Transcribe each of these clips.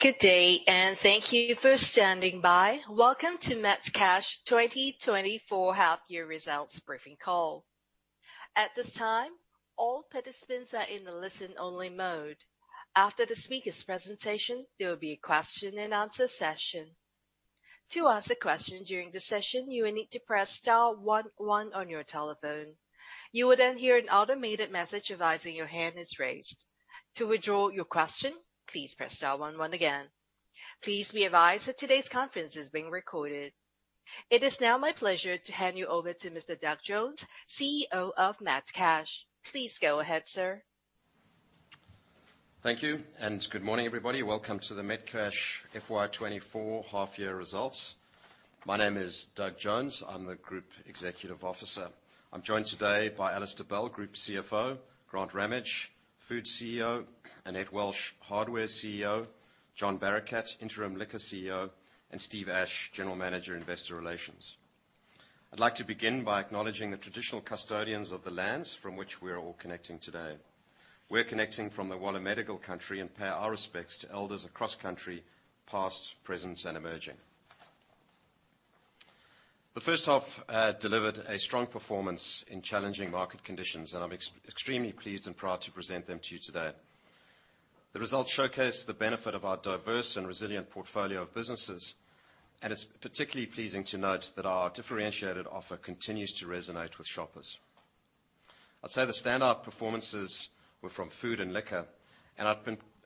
Good day, and thank you for standing by. Welcome to Metcash 2024 half year results briefing call. At this time, all participants are in the listen-only mode. After the speaker's presentation, there will be a question and answer session. To ask a question during the session, you will need to press star one one on your telephone. You will then hear an automated message advising your hand is raised. To withdraw your question, please press star one one again. Please be advised that today's conference is being recorded. It is now my pleasure to hand you over to Mr. Doug Jones, CEO of Metcash. Please go ahead, sir. Thank you, and good morning, everybody. Welcome to the Metcash FY 2024 half year results. My name is Doug Jones. I'm the Group Executive Officer. I'm joined today by Alistair Bell, Group CFO, Grant Ramage, Food CEO, and Annette Welsh, Hardware CEO, John Barakat, Interim Liquor CEO, and Steve Ashe, General Manager, Investor Relations. I'd like to begin by acknowledging the traditional custodians of the lands from which we are all connecting today. We're connecting from the Wallumattagal country and pay our respects to elders across country, past, present, and emerging. The first half delivered a strong performance in challenging market conditions, and I'm extremely pleased and proud to present them to you today. The results showcase the benefit of our diverse and resilient portfolio of businesses, and it's particularly pleasing to note that our differentiated offer continues to resonate with shoppers. I'd say the standout performances were from food and liquor, and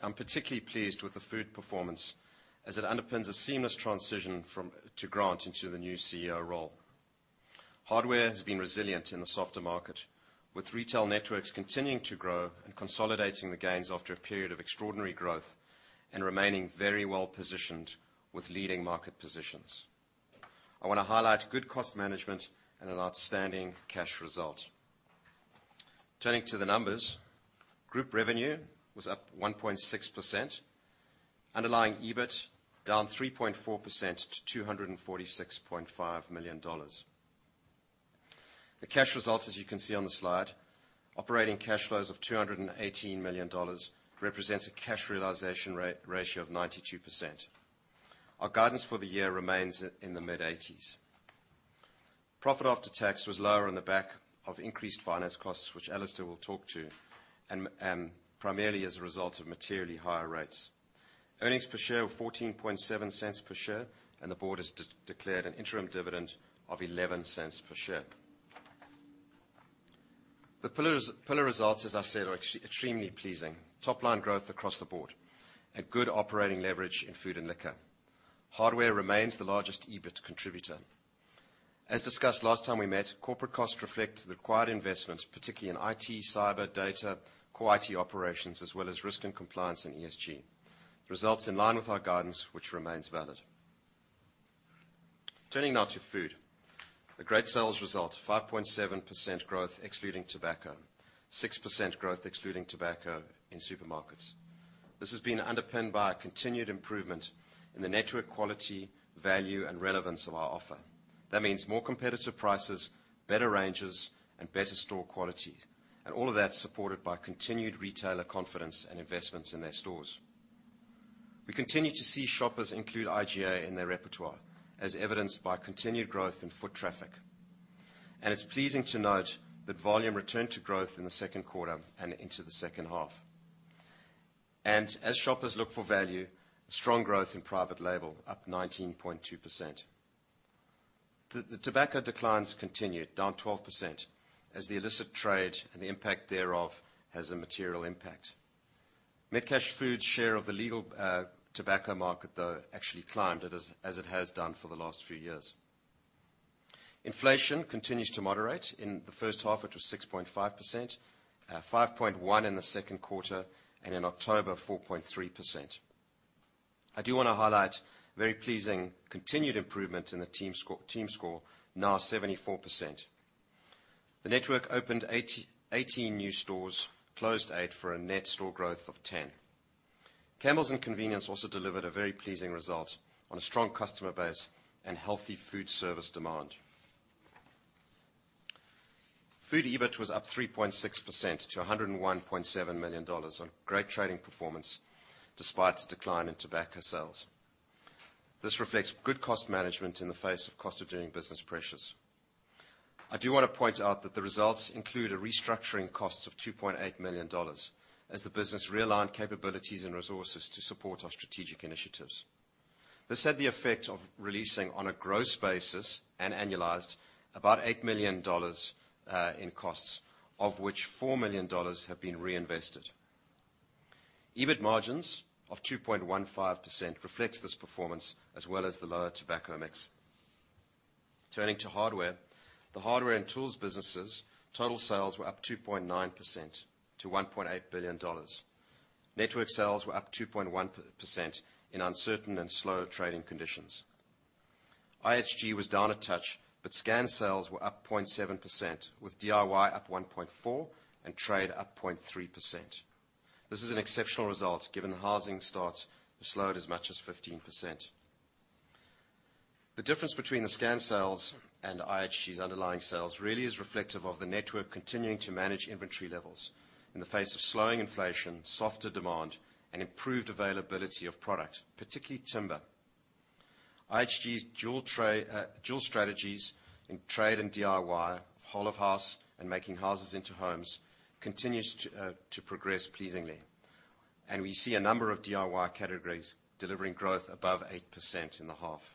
I'm particularly pleased with the food performance as it underpins a seamless transition to Grant into the new CEO role. Hardware has been resilient in the softer market, with retail networks continuing to grow and consolidating the gains after a period of extraordinary growth and remaining very well-positioned with leading market positions. I wanna highlight good cost management and an outstanding cash result. Turning to the numbers. Group revenue was up 1.6%, underlying EBIT down 3.4% to 246.5 million dollars. The cash results, as you can see on the slide, operating cash flows of 218 million dollars represents a cash realization ratio of 92%. Our guidance for the year remains in the mid-80s%. Profit after tax was lower on the back of increased finance costs, which Alistair will talk to, and primarily as a result of materially higher rates. Earnings per share were 0.147 per share, and the board has declared an interim dividend of 0.11 per share. The pillar results, as I said, are extremely pleasing. Top-line growth across the board and good operating leverage in food and liquor. Hardware remains the largest EBIT contributor. As discussed last time we met, corporate costs reflect the required investment, particularly in IT, cyber, data, core IT operations, as well as risk and compliance and ESG. Results in line with our guidance, which remains valid. Turning now to food. A great sales result, 5.7% growth, excluding tobacco. 6% growth, excluding tobacco in supermarkets. This has been underpinned by a continued improvement in the network quality, value, and relevance of our offer. That means more competitive prices, better ranges, and better store quality, and all of that supported by continued retailer confidence and investments in their stores. We continue to see shoppers include IGA in their repertoire, as evidenced by continued growth in foot traffic, and it's pleasing to note that volume returned to growth in the Q2 and into the second half. And as shoppers look for value, strong growth in private label up 19.2%. The tobacco declines continued, down 12%, as the illicit trade and the impact thereof has a material impact. Metcash Food's share of the legal tobacco market, though, actually climbed, as it has done for the last few years. Inflation continues to moderate. In the first half, it was 6.5%, five point one in the Q2, and in October, 4.3%. I do wanna highlight very pleasing continued improvement in the team score, now 74%. The network opened 18 new stores, closed eight for a net store growth of 10. Campbells and Convenience also delivered a very pleasing result on a strong customer base and healthy food service demand. Food EBIT was up 3.6% to 101.7 million dollars on great trading performance, despite a decline in tobacco sales. This reflects good cost management in the face of cost of doing business pressures. I do want to point out that the results include a restructuring cost of AUD 2.8 million as the business realigned capabilities and resources to support our strategic initiatives. This had the effect of releasing, on a gross basis and annualized, about 8 million dollars in costs, of which 4 million dollars have been reinvested. EBIT margins of 2.15% reflects this performance, as well as the lower tobacco mix. Turning to hardware. The hardware and tools businesses' total sales were up 2.9% to 1.8 billion dollars. Network sales were up 2.1% in uncertain and slower trading conditions. IHG was down a touch, but scan sales were up 0.7%, with DIY up 1.4% and trade up 0.3%. This is an exceptional result given the housing start has slowed as much as 15%.... The difference between the scan sales and IHG's underlying sales really is reflective of the network continuing to manage inventory levels in the face of slowing inflation, softer demand, and improved availability of product, particularly timber. IHG's dual trade, dual strategies in trade and DIY, whole of house, and making houses into homes, continues to progress pleasingly, and we see a number of DIY categories delivering growth above 8% in the half.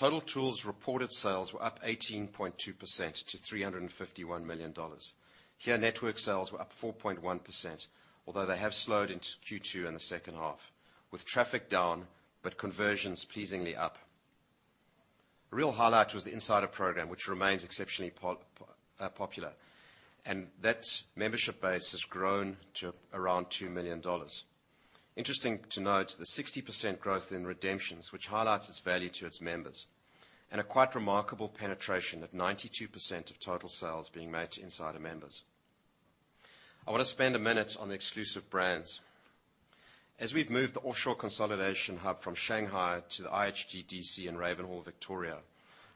Total Tools reported sales were up 18.2% to 351 million dollars. Here, network sales were up 4.1%, although they have slowed into Q2 in the second half, with traffic down but conversions pleasingly up. A real highlight was the Insider program, which remains exceptionally popular, and that membership base has grown to around two million members. Interesting to note, the 60% growth in redemptions, which highlights its value to its members, and a quite remarkable penetration of 92% of total sales being made to Insider members. I want to spend a minute on exclusive brands. As we've moved the offshore consolidation hub from Shanghai to the IHG DC in Ravenhall, Victoria,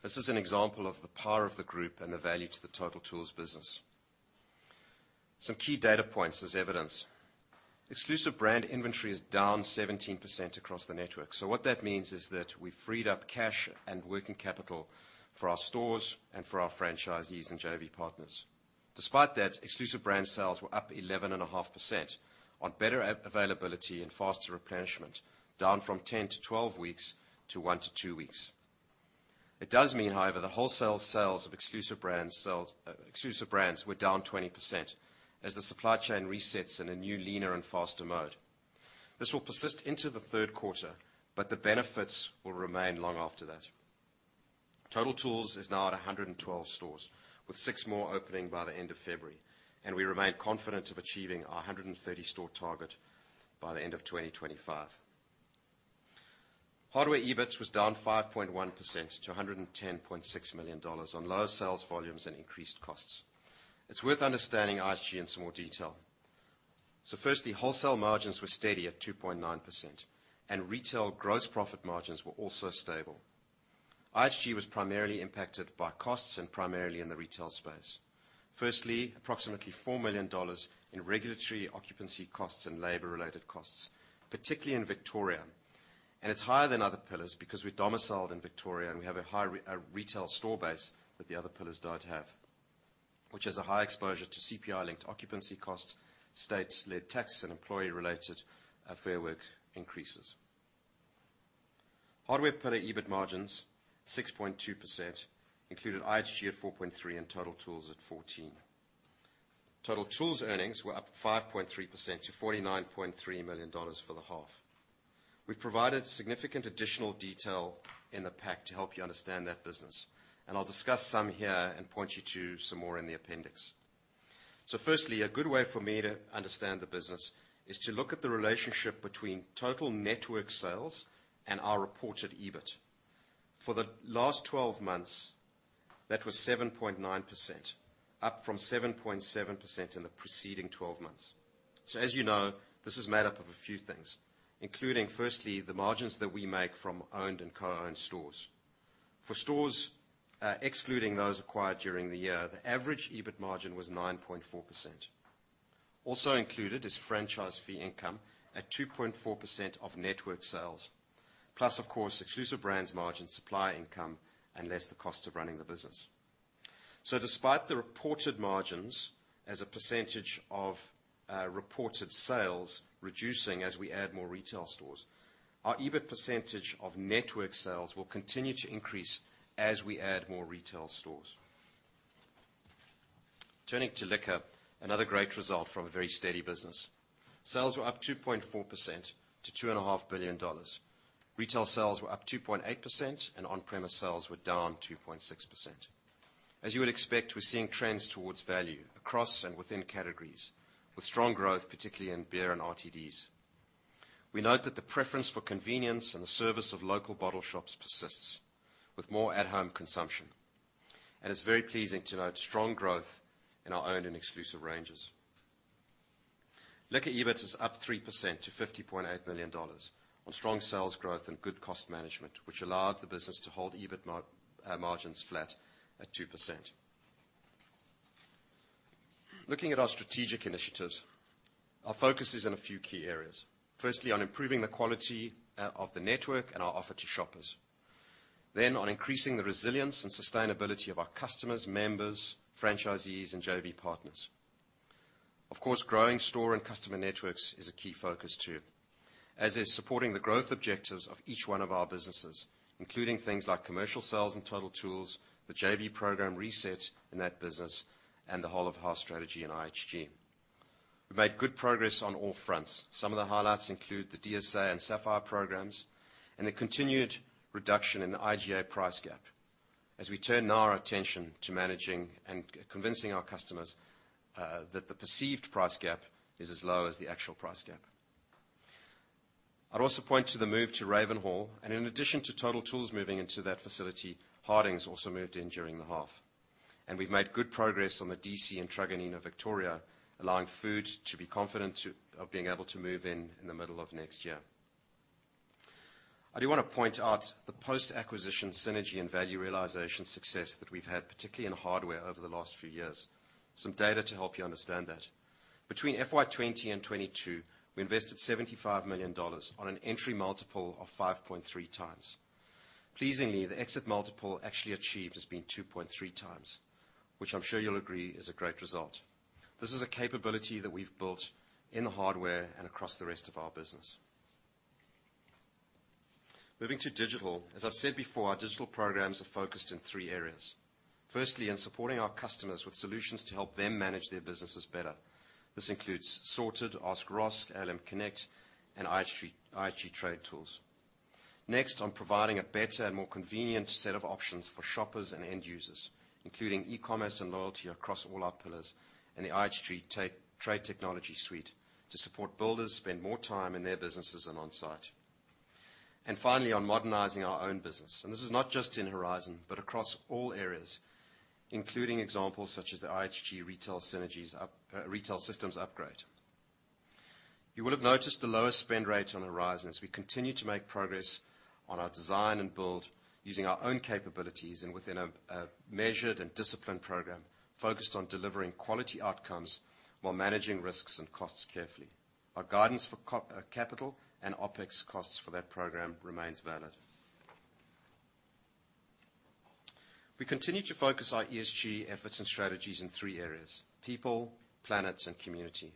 this is an example of the power of the group and the value to the Total Tools business. Some key data points as evidence. Exclusive brand inventory is down 17% across the network. So what that means is that we freed up cash and working capital for our stores and for our franchisees and JV partners. Despite that, exclusive brand sales were up 11.5% on better availability and faster replenishment, down from 10-12 weeks to 1-2 weeks. It does mean, however, the wholesale sales of exclusive brands were down 20% as the supply chain resets in a new, leaner, and faster mode. This will persist into the Q3, but the benefits will remain long after that. Total Tools is now at 112 stores, with six more opening by the end of February, and we remain confident of achieving our 130 store target by the end of 2025. Hardware EBIT was down 5.1% to 110.6 million dollars on lower sales volumes and increased costs. It's worth understanding IHG in some more detail. So firstly, wholesale margins were steady at 2.9%, and retail gross profit margins were also stable. IHG was primarily impacted by costs and primarily in the retail space. Firstly, approximately 4 million dollars in regulatory occupancy costs and labor-related costs, particularly in Victoria. And it's higher than other pillars because we're domiciled in Victoria, and we have a high retail store base that the other pillars don't have, which has a high exposure to CPI-linked occupancy costs, state-led taxes, and employee-related fair work increases. Hardware pillar EBIT margins 6.2%, included IHG at 4.3% and Total Tools at 14%. Total Tools earnings were up 5.3% to 49.3 million dollars for the half. We've provided significant additional detail in the pack to help you understand that business, and I'll discuss some here and point you to some more in the appendix. Firstly, a good way for me to understand the business is to look at the relationship between Total network sales and our reported EBIT. For the last twelve months, that was 7.9%, up from 7.7% in the preceding twelve months. So as you know, this is made up of a few things, including, firstly, the margins that we make from owned and co-owned stores. For stores, excluding those acquired during the year, the average EBIT margin was 9.4%. Also included is franchise fee income at 2.4% of network sales, plus, of course, exclusive brands margin, supply income, and less the cost of running the business. So despite the reported margins as a percentage of reported sales reducing as we add more retail stores, our EBIT percentage of network sales will continue to increase as we add more retail stores. Turning to liquor, another great result from a very steady business. Sales were up 2.4% to 2.5 billion dollars. Retail sales were up 2.8%, and on-premise sales were down 2.6%. As you would expect, we're seeing trends towards value across and within categories, with strong growth, particularly in beer and RTDs. We note that the preference for convenience and the service of local bottle shops persists with more at-home consumption, and it's very pleasing to note strong growth in our own and exclusive ranges. Liquor EBIT is up 3% to 50.8 million dollars on strong sales growth and good cost management, which allowed the business to hold EBIT margins flat at 2%. Looking at our strategic initiatives, our focus is in a few key areas. Firstly, on improving the quality of the network and our offer to shoppers. Then on increasing the resilience and sustainability of our customers, members, franchisees, and JV partners. Of course, growing store and customer networks is a key focus, too, as is supporting the growth objectives of each one of our businesses, including things like commercial sales and Total Tools, the JV program reset in that business, and the whole of house strategy in IHG. We made good progress on all fronts. Some of the highlights include the DSA and Sapphire programs, and the continued reduction in the IGA price gap, as we turn now our attention to managing and convincing our customers, that the perceived price gap is as low as the actual price gap. I'd also point to the move to Ravenhall, and in addition to Total Tools moving into that facility, Hardings also moved in during the half.... We've made good progress on the DC in Truganina, Victoria, allowing Food to be confident to, of being able to move in, in the middle of next year. I do want to point out the post-acquisition synergy and value realization success that we've had, particularly in hardware, over the last few years. Some data to help you understand that. Between FY 2020 and 2022, we invested 75 million dollars on an entry multiple of 5.3x. Pleasingly, the exit multiple actually achieved has been 2.3x, which I'm sure you'll agree is a great result. This is a capability that we've built in the hardware and across the rest of our business. Moving to digital, as I've said before, our digital programs are focused in three areas. Firstly, in supporting our customers with solutions to help them manage their businesses better. This includes Sorted, Ask Ross, ALM Connect, and IHG, IHG Trade Tools. Next, on providing a better and more convenient set of options for shoppers and end users, including e-commerce and loyalty across all our pillars, and the IHG Trade Technology Suite to support builders spend more time in their businesses and on-site. And finally, on modernizing our own business, and this is not just in Horizon, but across all areas, including examples such as the IHG Retail Synergies upgrade, Retail Systems Upgrade. You will have noticed the lowest spend rate on Horizon. We continue to make progress on our design and build, using our own capabilities and within a measured and disciplined program, focused on delivering quality outcomes while managing risks and costs carefully. Our guidance for CapEx and OpEx costs for that program remains valid. We continue to focus our ESG efforts and strategies in three areas: people, planets, and community.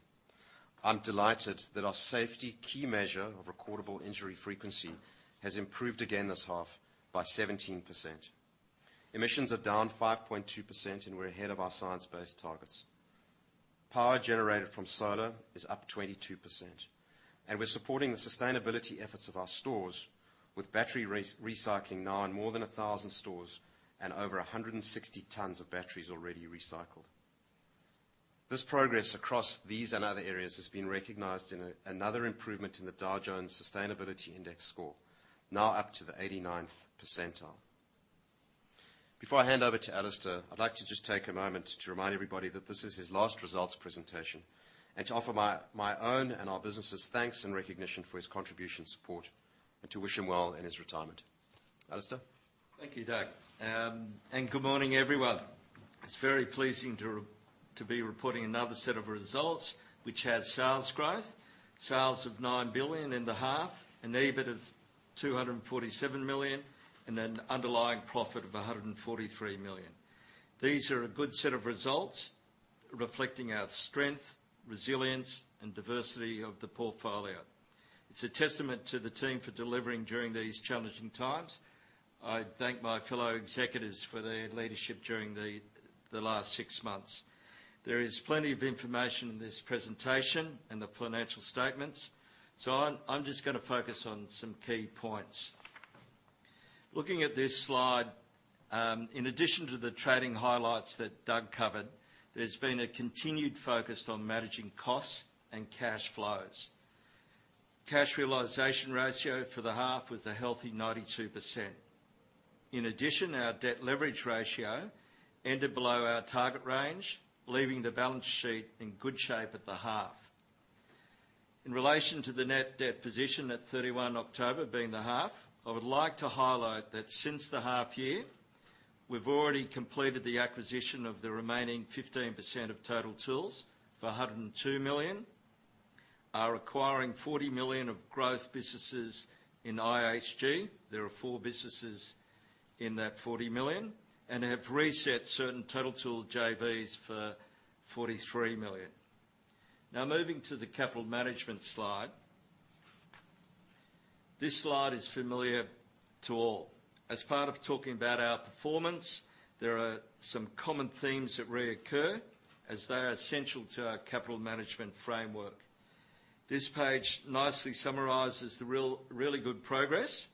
I'm delighted that our safety key measure of recordable injury frequency has improved again this half by 17%. Emissions are down 5.2%, and we're ahead of our science-based targets. Power generated from solar is up 22%, and we're supporting the sustainability efforts of our stores with battery recycling now in more than 1,000 stores, and over 160 tons of batteries already recycled. This progress across these and other areas has been recognized in another improvement in the Dow Jones Sustainability Index score, now up to the 89th percentile. Before I hand over to Alistair, I'd like to just take a moment to remind everybody that this is his last results presentation, and to offer my, my own and our businesses thanks and recognition for his contribution, support, and to wish him well in his retirement. Alistair? Thank you, Doug, and good morning, everyone. It's very pleasing to be reporting another set of results, which has sales growth, sales of 9 billion in the half, an EBIT of 247 million, and an underlying profit of 143 million. These are a good set of results, reflecting our strength, resilience, and diversity of the portfolio. It's a testament to the team for delivering during these challenging times. I thank my fellow executives for their leadership during the last six months. There is plenty of information in this presentation and the financial statements, so I'm just gonna focus on some key points. Looking at this slide, in addition to the trading highlights that Doug covered, there's been a continued focus on managing costs and cash flows. Cash realization ratio for the half was a healthy 92%. In addition, our debt leverage ratio ended below our target range, leaving the balance sheet in good shape at the half. In relation to the net debt position at 31 October, being the half, I would like to highlight that since the half year, we've already completed the acquisition of the remaining 15% of Total Tools for 102 million, are acquiring 40 million of growth businesses in IHG, there are four businesses in that 40 million, and have reset certain Total Tools JVs for 43 million. Now, moving to the capital management slide. This slide is familiar to all. As part of talking about our performance, there are some common themes that reoccur, as they are essential to our capital management framework. This page nicely summarizes the really good progress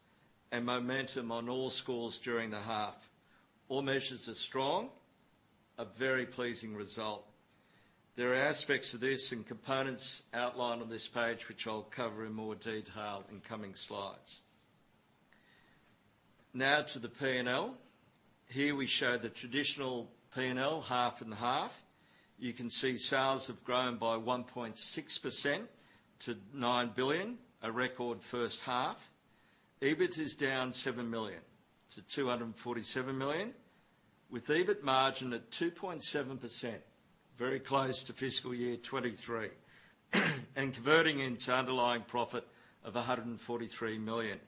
and momentum on all scores during the half. All measures are strong, a very pleasing result. There are aspects to this and components outlined on this page, which I'll cover in more detail in coming slides. Now to the P&L. Here we show the traditional P&L, half and half. You can see sales have grown by 1.6% to 9 billion, a record first half. EBIT is down 7 million, to 247 million, with EBIT margin at 2.7%, very close to fiscal year 2023, and converting into underlying profit of 143 million.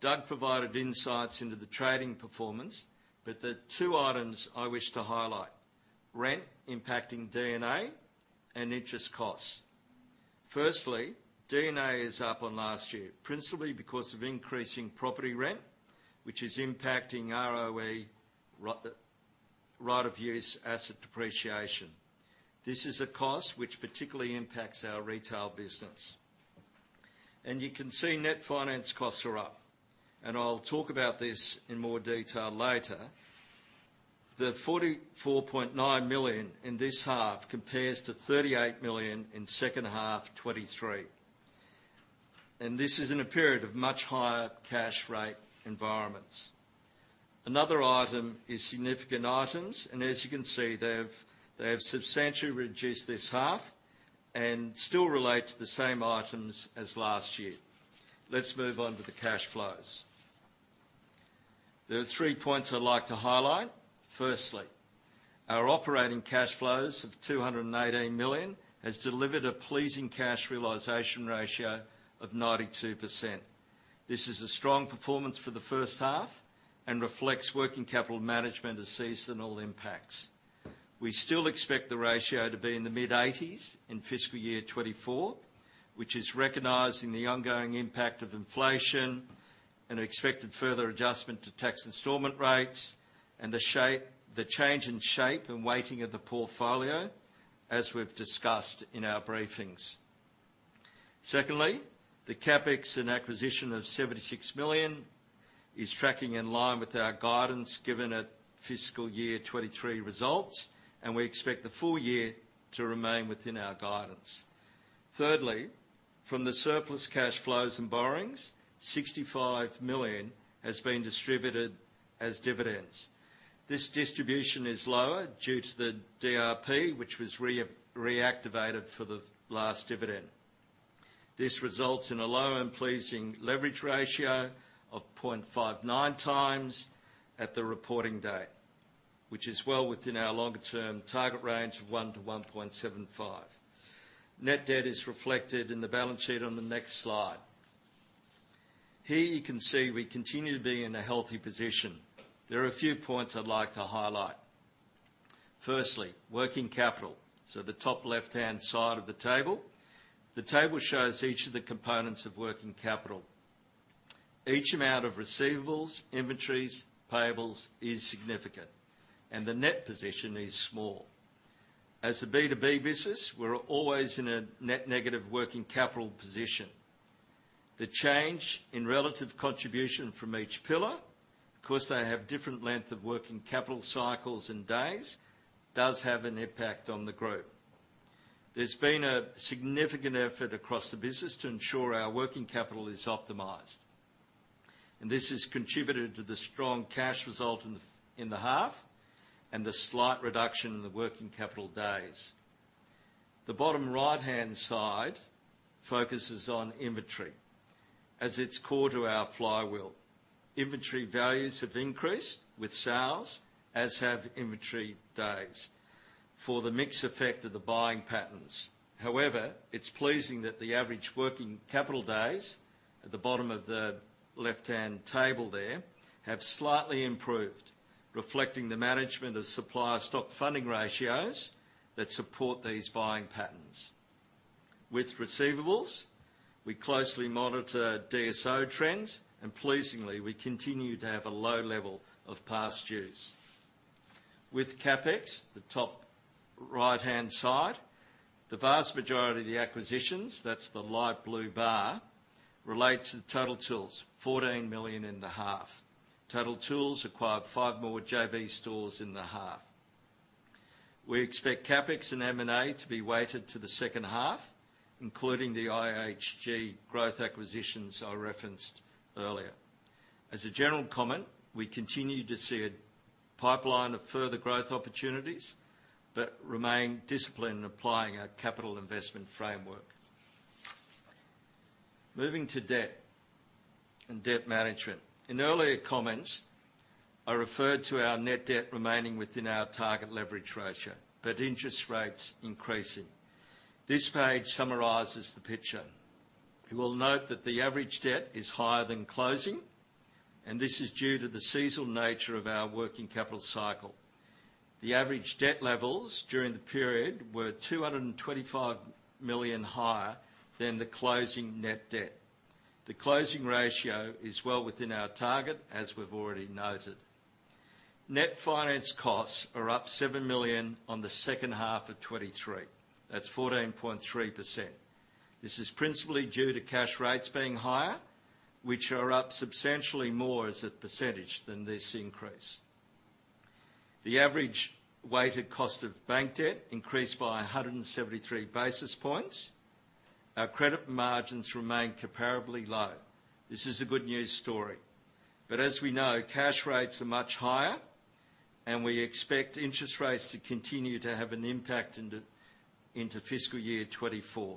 Doug provided insights into the trading performance, but there are two items I wish to highlight: rent impacting EBITDA and interest costs. Firstly, EBITDA is up on last year, principally because of increasing property rent, which is impacting ROE, right of use asset depreciation. This is a cost which particularly impacts our retail business. You can see net finance costs are up, and I'll talk about this in more detail later. The 44.9 million in this half compares to 38 million in second half 2023... and this is in a period of much higher cash rate environments. Another item is significant items, and as you can see, they have, they have substantially reduced this half and still relate to the same items as last year. Let's move on to the cash flows. There are three points I'd like to highlight. Firstly, our operating cash flows of 218 million has delivered a pleasing cash realization ratio of 92%. This is a strong performance for the first half and reflects working capital management as seasonal impacts. We still expect the ratio to be in the mid-80s in fiscal year 2024, which is recognizing the ongoing impact of inflation and expected further adjustment to tax installment rates and the shape, the change in shape and weighting of the portfolio, as we've discussed in our briefings. Secondly, the CapEx and acquisition of 76 million is tracking in line with our guidance, given at fiscal year 2023 results, and we expect the full year to remain within our guidance. Thirdly, from the surplus cash flows and borrowings, 65 million has been distributed as dividends. This distribution is lower due to the DRP, which was reactivated for the last dividend. This results in a low and pleasing leverage ratio of 0.59x at the reporting date, which is well within our longer-term target range of 1-1.75. Net debt is reflected in the balance sheet on the next slide. Here you can see we continue to be in a healthy position. There are a few points I'd like to highlight. Firstly, working capital, so the top left-hand side of the table. The table shows each of the components of working capital. Each amount of receivables, inventories, payables is significant, and the net position is small. As a B2B business, we're always in a net negative working capital position. The change in relative contribution from each pillar, because they have different length of working capital cycles and days, does have an impact on the group. There's been a significant effort across the business to ensure our working capital is optimized, and this has contributed to the strong cash result in the half and the slight reduction in the working capital days. The bottom right-hand side focuses on inventory, as it's core to our flywheel. Inventory values have increased with sales, as have inventory days, for the mix effect of the buying patterns. However, it's pleasing that the average working capital days, at the bottom of the left-hand table there, have slightly improved, reflecting the management of supplier stock funding ratios that support these buying patterns. With receivables, we closely monitor DSO trends, and pleasingly, we continue to have a low level of past dues. With CapEx, the top right-hand side, the vast majority of the acquisitions, that's the light blue bar, relate to the Total Tools, 14 million in the half. Total Tools acquired 5 more JV stores in the half. We expect CapEx and M&A to be weighted to the second half, including the IHG growth acquisitions I referenced earlier. As a general comment, we continue to see a pipeline of further growth opportunities, but remain disciplined in applying our capital investment framework. Moving to debt and debt management. In earlier comments, I referred to our net debt remaining within our target leverage ratio, but interest rates increasing. This page summarizes the picture. You will note that the average debt is higher than closing, and this is due to the seasonal nature of our working capital cycle. The average debt levels during the period were 225 million higher than the closing net debt. The closing ratio is well within our target, as we've already noted. Net finance costs are up 7 million on the second half of 2023. That's 14.3%. This is principally due to cash rates being higher, which are up substantially more as a percentage than this increase. The average weighted cost of bank debt increased by 173 basis points. Our credit margins remain comparably low. This is a good news story, but as we know, cash rates are much higher, and we expect interest rates to continue to have an impact into fiscal year 2024.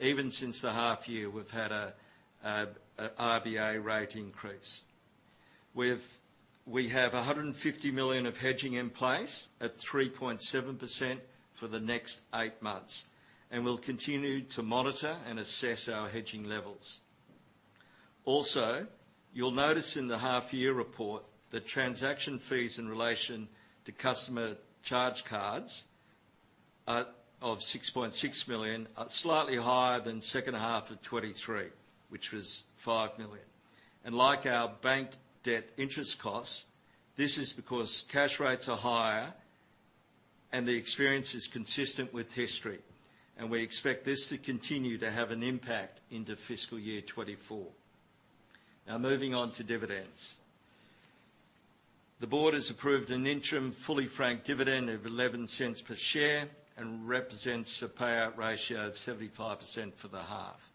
Even since the half year, we've had a RBA rate increase. We have 150 million of hedging in place at 3.7% for the next eight months, and we'll continue to monitor and assess our hedging levels. Also, you'll notice in the half year report that transaction fees in relation to customer charge cards are 6.6 million, are slightly higher than second half of 2023, which was 5 million. Like our bank debt interest costs, this is because cash rates are higher and the experience is consistent with history, and we expect this to continue to have an impact into fiscal year 2024. Now, moving on to dividends. The board has approved an interim fully franked dividend of 0.11 per share, and represents a payout ratio of 75% for the half.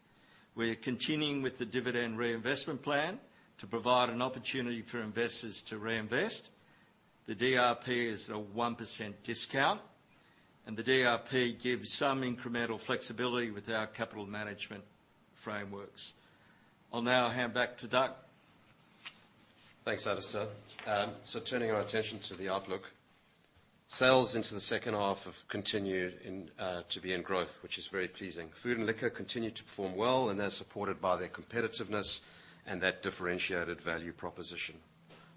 We are continuing with the dividend reinvestment plan to provide an opportunity for investors to reinvest. The DRP is a 1% discount, and the DRP gives some incremental flexibility with our capital management frameworks. I'll now hand back to Doug. Thanks, Alistair. So turning our attention to the outlook. Sales into the second half have continued to be in growth, which is very pleasing. Food and Liquor continue to perform well, and they're supported by their competitiveness and that differentiated value proposition.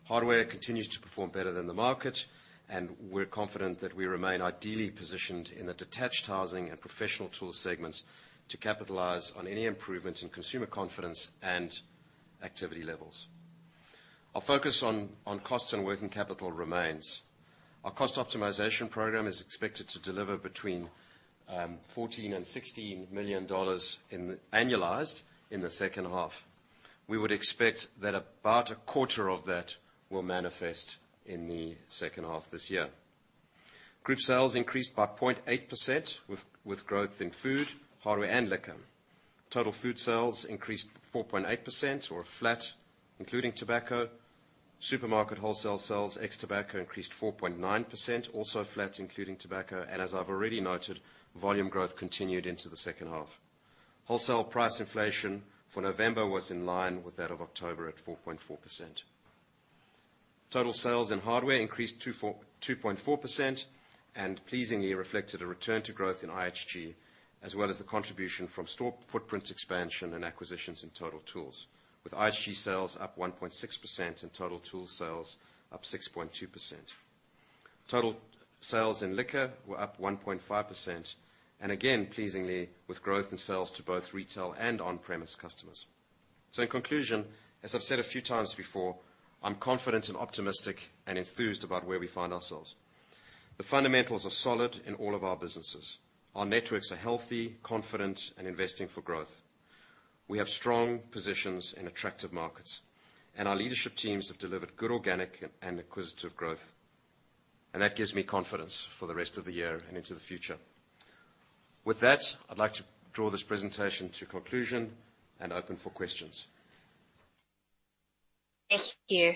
Hardware continues to perform better than the market, and we're confident that we remain ideally positioned in the detached housing and professional tool segments to capitalize on any improvement in consumer confidence and activity levels. Our focus on cost and working capital remains. Our cost optimization program is expected to deliver between 14 million and 16 million dollars in annualized in the second half. We would expect that about a quarter of that will manifest in the second half this year. Group sales increased by 0.8% with growth in Food, Hardware, and Liquor. Total food sales increased 4.8% or flat, including tobacco. Supermarket wholesale sales, ex tobacco, increased 4.9%, also flat, including tobacco, and as I've already noted, volume growth continued into the second half. Wholesale price inflation for November was in line with that of October at 4.4%. Total sales in hardware increased 2.4% and pleasingly reflected a return to growth in IHG, as well as the contribution from store footprint expansion and acquisitions in Total Tools, with IHG sales up 1.6% and Total Tools sales up 6.2%. Total sales in liquor were up 1.5%, and again, pleasingly, with growth in sales to both retail and on-premise customers. So in conclusion, as I've said a few times before, I'm confident and optimistic and enthused about where we find ourselves. The fundamentals are solid in all of our businesses. Our networks are healthy, confident, and investing for growth. We have strong positions in attractive markets, and our leadership teams have delivered good organic and acquisitive growth, and that gives me confidence for the rest of the year and into the future. With that, I'd like to draw this presentation to conclusion and open for questions. Thank you.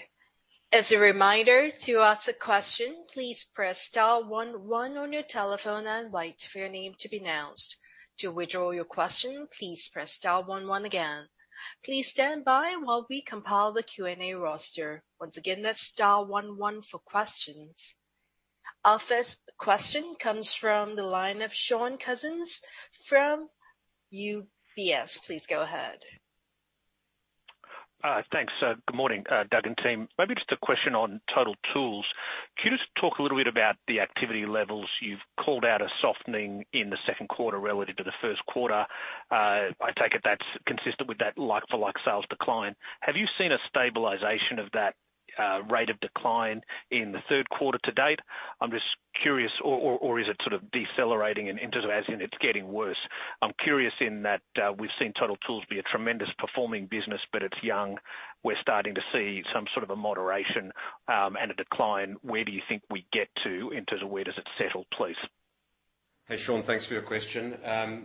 As a reminder, to ask a question, please press star one one on your telephone and wait for your name to be announced. To withdraw your question, please press star one one again. Please stand by while we compile the Q&A roster. Once again, that's star one one for questions. Our first question comes from the line of Shaun Cousins from UBS. Please go ahead. Thanks, good morning, Doug and team. Maybe just a question on Total Tools. Can you just talk a little bit about the activity levels? You've called out a softening in the Q2 relative to the Q1. I take it that's consistent with that like-for-like sales decline. Have you seen a stabilization of that rate of decline in the Q3 to date? I'm just curious, or, or, or is it sort of decelerating and in terms of as in it's getting worse? I'm curious in that, we've seen Total Tools be a tremendous performing business, but it's young. We're starting to see some sort of a moderation and a decline. Where do you think we get to, in terms of where does it settle, please? Hey, Shaun, thanks for your question.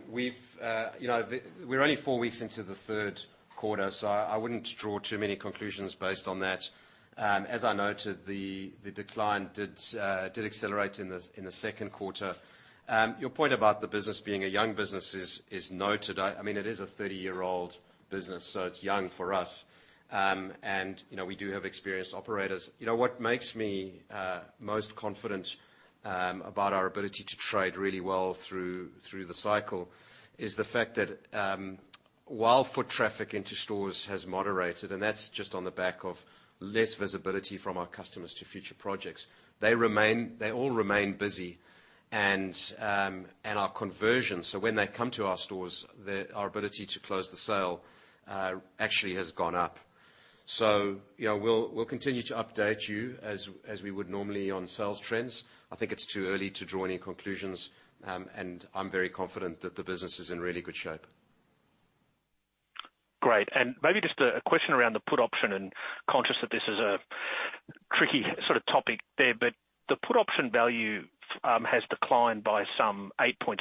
We've, you know, we're only four weeks into the Q3, so I wouldn't draw too many conclusions based on that. As I noted, the decline did accelerate in the Q2. Your point about the business being a young business is noted. I mean, it is a 30-year-old business, so it's young for us. And, you know, we do have experienced operators. You know, what makes me most confident about our ability to trade really well through the cycle is the fact that while foot traffic into stores has moderated, and that's just on the back of less visibility from our customers to future projects, they all remain busy and our conversion, so when they come to our stores, our ability to close the sale actually has gone up. So, you know, we'll continue to update you as we would normally on sales trends. I think it's too early to draw any conclusions and I'm very confident that the business is in really good shape. Great, and maybe just a question around the put option and conscious that this is a tricky sort of topic there, but the put option value has declined by some 8.6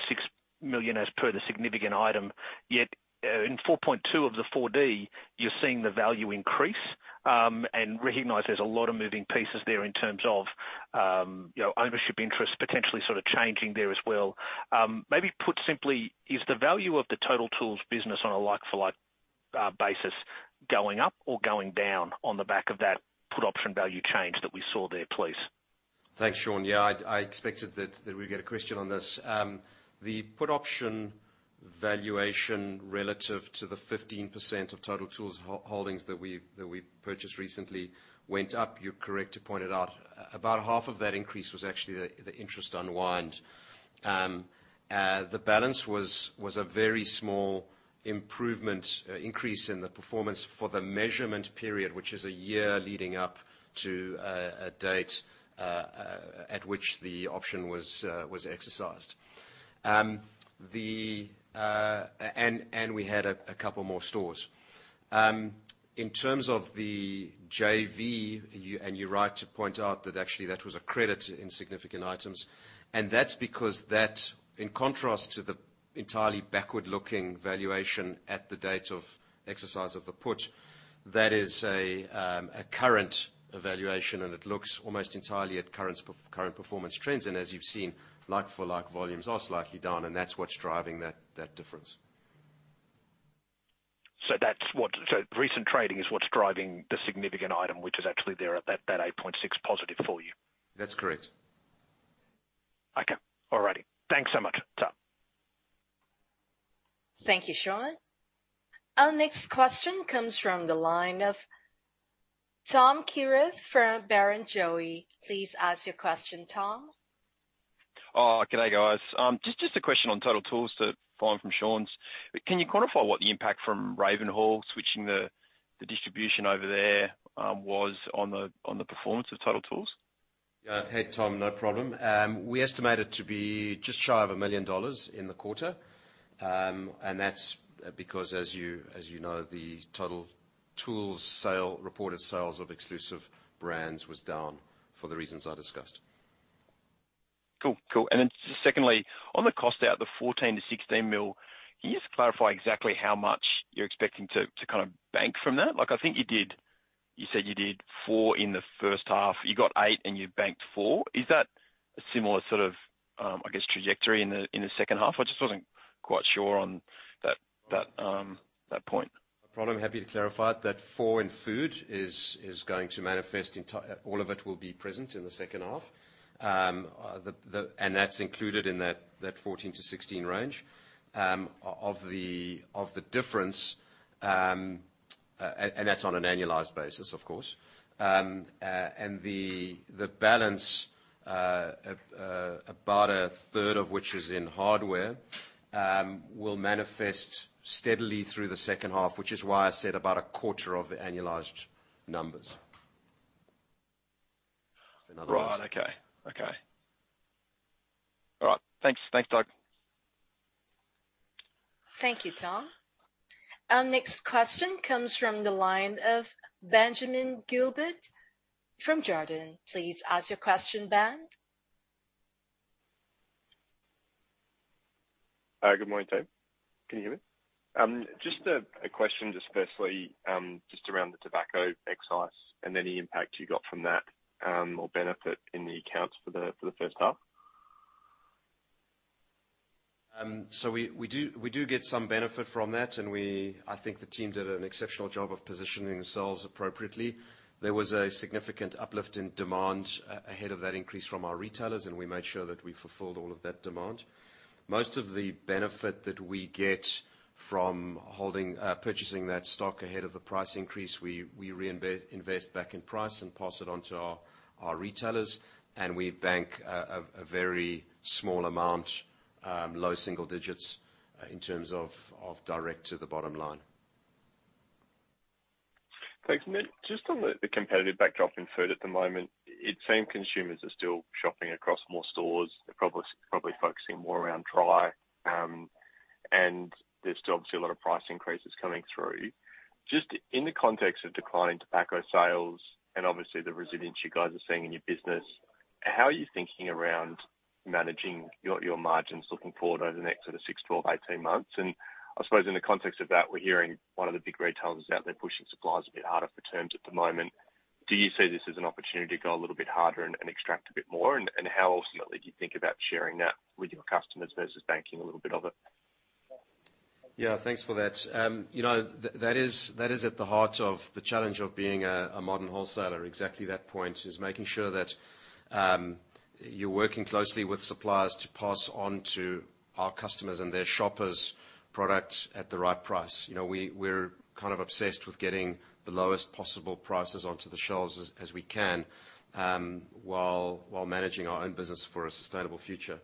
million, as per the significant item. Yet, in 4.2 of the 4D, you're seeing the value increase, and recognize there's a lot of moving pieces there in terms of, you know, ownership interest potentially sort of changing there as well. Maybe put simply, is the value of the Total Tools business on a like-for-like, basis going up or going down on the back of that put option value change that we saw there, please? Thanks, Shaun. Yeah, I expected that we'd get a question on this. The put option valuation relative to the 15% of Total Tools holdings that we purchased recently went up. You're correct to point it out. About half of that increase was actually the interest unwind. The balance was a very small improvement increase in the performance for the measurement period, which is a year leading up to a date at which the option was exercised. And we had a couple more stores. In terms of the JV, you, and you're right to point out that actually that was a credit in significant items, and that's because that, in contrast to the entirely backward-looking valuation at the date of exercise of the put, that is a, a current evaluation, and it looks almost entirely at current performance trends. And as you've seen, like-for-like, volumes are slightly down, and that's what's driving that, that difference. So recent trading is what's driving the significant item, which is actually there at that 8.6 positive for you? That's correct. Okay. All righty. Thanks so much, sir. Thank you, Shaun. Our next question comes from the line of Tom Kierath from Barrenjoey. Please ask your question, Tom. Oh, g'day, guys. Just a question on Total Tools to follow from Shaun's. Can you quantify what the impact from Ravenhall switching the distribution over there was on the performance of Total Tools? Yeah, hey, Tom, no problem. We estimate it to be just shy of 1 million dollars in the quarter. And that's because, as you, as you know, the Total Tools sales, reported sales of exclusive brands was down for the reasons I discussed. Cool. Cool. Then secondly, on the cost out, the 14 million-16 million, can you just clarify exactly how much you're expecting to kind of bank from that? Like, I think you did. You said you did 4 million in the first half. You got 8 million and you banked 4 million. Is that a similar sort of, I guess, trajectory in the second half? I just wasn't quite sure on that point. No problem. Happy to clarify that 4 in food is going to manifest, all of it will be present in the second half. That's included in that 14-16 range of the difference, and that's on an annualized basis, of course. The balance, about a third of which is in hardware, will manifest steadily through the second half, which is why I said about a quarter of the annualized numbers. In other words. Right. Okay. Okay. All right. Thanks. Thanks, Doug. Thank you, Tom. Our next question comes from the line of Benjamin Gilbert from Jarden. Please ask your question, Ben. Good morning, Dave. Can you hear me? Just a question, firstly, around the tobacco excise and any impact you got from that, or benefit in the accounts for the first half. So we do get some benefit from that, and we... I think the team did an exceptional job of positioning themselves appropriately. There was a significant uplift in demand ahead of that increase from our retailers, and we made sure that we fulfilled all of that demand. Most of the benefit that we get from holding, purchasing that stock ahead of the price increase, we reinvest back in price and pass it on to our retailers, and we bank a very small amount, low single digits, in terms of direct to the bottom line. Thanks, Ben. Just on the competitive backdrop in food at the moment, it seems consumers are still shopping across more stores. They're probably focusing more around dry, and there's still obviously a lot of price increases coming through. Just in the context of declining tobacco sales and obviously the resilience you guys are seeing in your business, how are you thinking around managing your margins looking forward over the next sort of 6, 12, 18 months? And I suppose in the context of that, we're hearing one of the big retailers out there pushing suppliers a bit harder for terms at the moment. Do you see this as an opportunity to go a little bit harder and extract a bit more? And how ultimately do you think about sharing that with your customers versus banking a little bit of it? Yeah, thanks for that. You know, that is at the heart of the challenge of being a modern wholesaler. Exactly that point is making sure that you're working closely with suppliers to pass on to our customers and their shoppers products at the right price. You know, we're kind of obsessed with getting the lowest possible prices onto the shelves as we can while managing our own business for a sustainable future.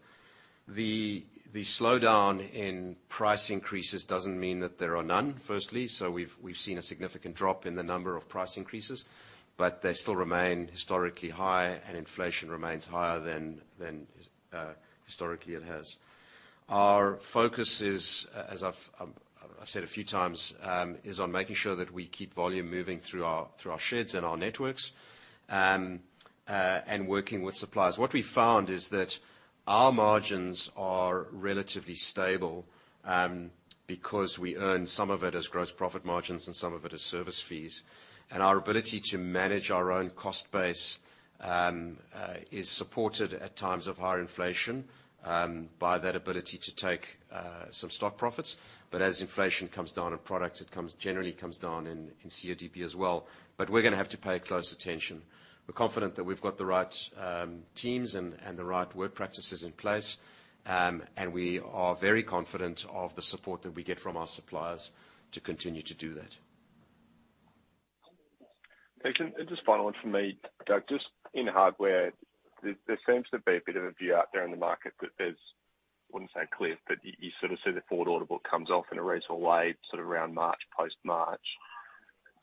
The slowdown in price increases doesn't mean that there are none, firstly. So we've seen a significant drop in the number of price increases, but they still remain historically high, and inflation remains higher than historically it has. Our focus is, as I've said a few times, is on making sure that we keep volume moving through our sheds and our networks, and working with suppliers. What we found is that our margins are relatively stable, because we earn some of it as gross profit margins and some of it as service fees. Our ability to manage our own cost base is supported at times of higher inflation, by that ability to take some stock profits. But as inflation comes down on products, it generally comes down in CODP as well. But we're gonna have to pay close attention. We're confident that we've got the right teams and the right work practices in place. We are very confident of the support that we get from our suppliers to continue to do that. Thanks, and just final one from me, Doug. Just in hardware, there seems to be a bit of a view out there in the market that there's, I wouldn't say clear, but you sort of see the forward order book comes off in a reasonable way, sort of around March, post-March.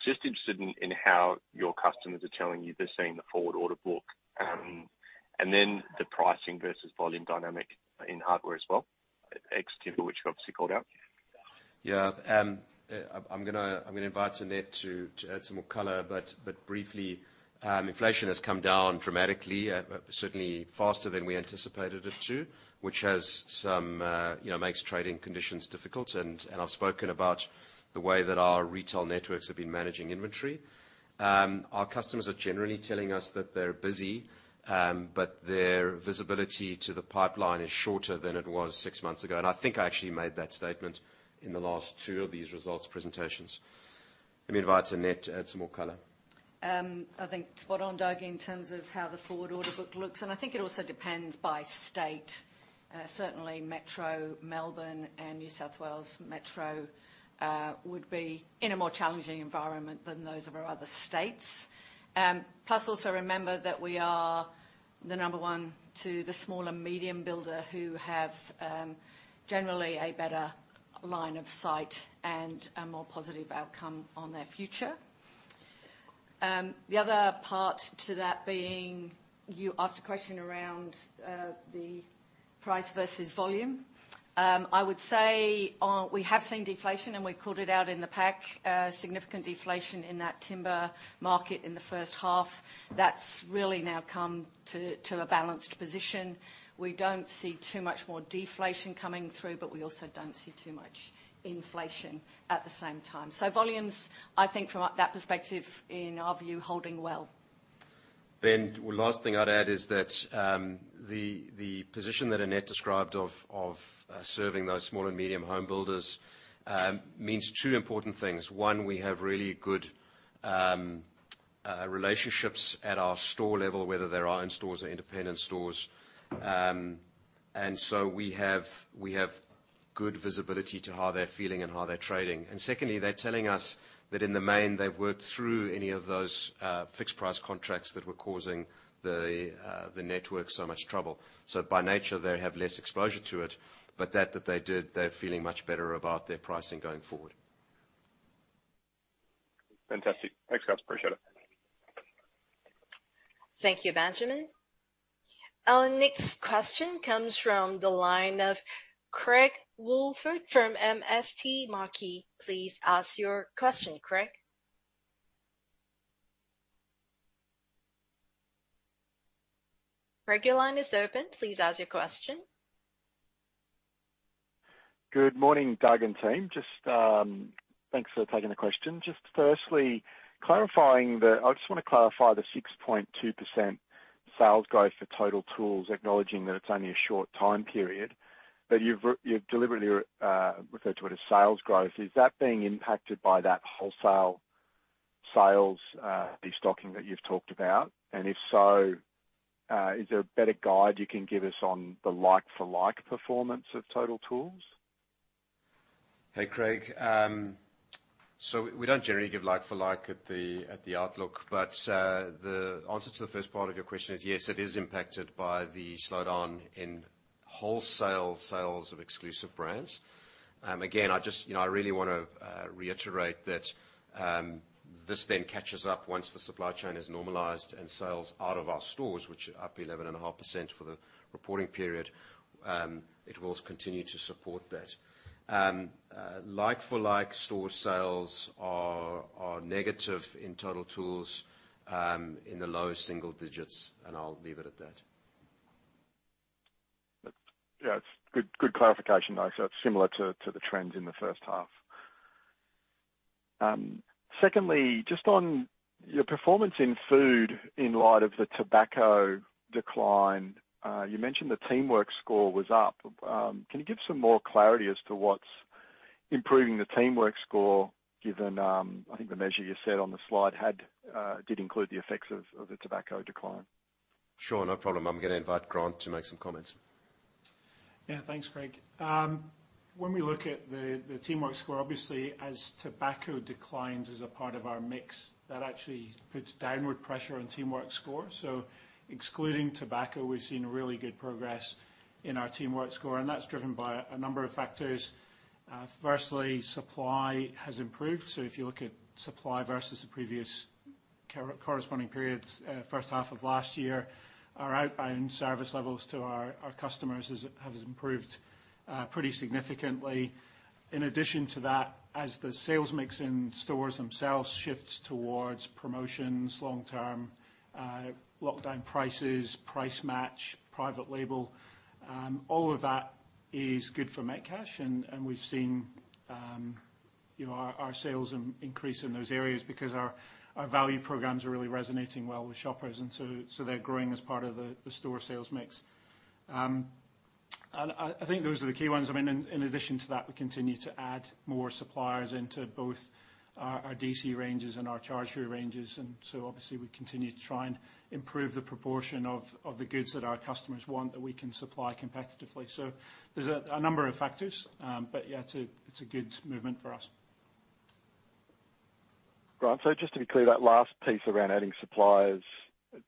Just interested in how your customers are telling you they're seeing the forward order book, and then the pricing versus volume dynamic in hardware as well. Thanks, Ben, which you obviously called out? Yeah, I'm gonna invite Annette to add some more color, but briefly, inflation has come down dramatically, certainly faster than we anticipated it to, which has some, you know, makes trading conditions difficult. And I've spoken about the way that our retail networks have been managing inventory. Our customers are generally telling us that they're busy, but their visibility to the pipeline is shorter than it was six months ago, and I think I actually made that statement in the last two of these results presentations. Let me invite Annette to add some more color. I think spot on, Doug, in terms of how the forward order book looks, and I think it also depends by state. Certainly Metro, Melbourne, and New South Wales Metro would be in a more challenging environment than those of our other states. Plus, also remember that we are the number one to the small and medium builder who have generally a better line of sight and a more positive outcome on their future. The other part to that being, you asked a question around the price versus volume. I would say we have seen deflation, and we called it out in the pack, significant deflation in that timber market in the first half. That's really now come to a balanced position. We don't see too much more deflation coming through, but we also don't see too much inflation at the same time. So volumes, I think from that perspective, in our view, holding well. Then the last thing I'd add is that the position that Annette described of serving those small and medium home builders means two important things. One, we have really good relationships at our store level, whether they're our own stores or independent stores. And so we have good visibility to how they're feeling and how they're trading. And secondly, they're telling us that in the main, they've worked through any of those fixed price contracts that were causing the network so much trouble. So by nature, they have less exposure to it, but that they did, they're feeling much better about their pricing going forward. Fantastic. Thanks, guys. Appreciate it. Thank you, Benjamin. Our next question comes from the line of Craig Wolford from MST Marquee. Please ask your question, Craig. Craig, your line is open. Please ask your question. Good morning, Doug and team. Just, thanks for taking the question. Just firstly, clarifying the... I just want to clarify the 6.2% sales growth for Total Tools, acknowledging that it's only a short time period, but you've deliberately referred to it as sales growth. Is that being impacted by that wholesale sales destocking that you've talked about? And if so, is there a better guide you can give us on the like-for-like performance of Total Tools? Hey, Craig. So we don't generally give like-for-like at the outlook, but the answer to the first part of your question is yes, it is impacted by the slowdown in wholesale sales of exclusive brands. Again, I just, you know, I really want to reiterate that this then catches up once the supply chain is normalized and sales out of our stores, which are up 11.5% for the reporting period, it will continue to support that. Like-for-like store sales are negative in Total Tools in the low single digits, and I'll leave it at that. Yeah, it's good, good clarification, though, so similar to the trends in the first half. Secondly, just on your performance in food in light of the tobacco decline, you mentioned the Teamwork Score was up. Can you give some more clarity as to what's improving the Teamwork Score, given I think the measure you said on the slide had did include the effects of the tobacco decline? Sure, no problem. I'm gonna invite Grant to make some comments. Yeah, thanks, Craig. When we look at the Teamwork Score, obviously as tobacco declines as a part of our mix, that actually puts downward pressure on Teamwork Score. So excluding tobacco, we've seen really good progress in our Teamwork Score, and that's driven by a number of factors. Firstly, supply has improved. So if you look at supply versus the previous corresponding period, first half of last year, our outbound service levels to our customers has improved pretty significantly. In addition to that, as the sales mix in stores themselves shifts towards promotions, long-term, lockdown prices, price match, private label, all of that is good for Metcash, and we've seen, you know, our sales increase in those areas because our value programs are really resonating well with shoppers, and so they're growing as part of the store sales mix. And I think those are the key ones. I mean, in addition to that, we continue to add more suppliers into both our DC ranges and our charge-through ranges, and so obviously we continue to try and improve the proportion of the goods that our customers want, that we can supply competitively. So there's a number of factors, but yeah, it's a good movement for us. Right. So just to be clear, that last piece around adding suppliers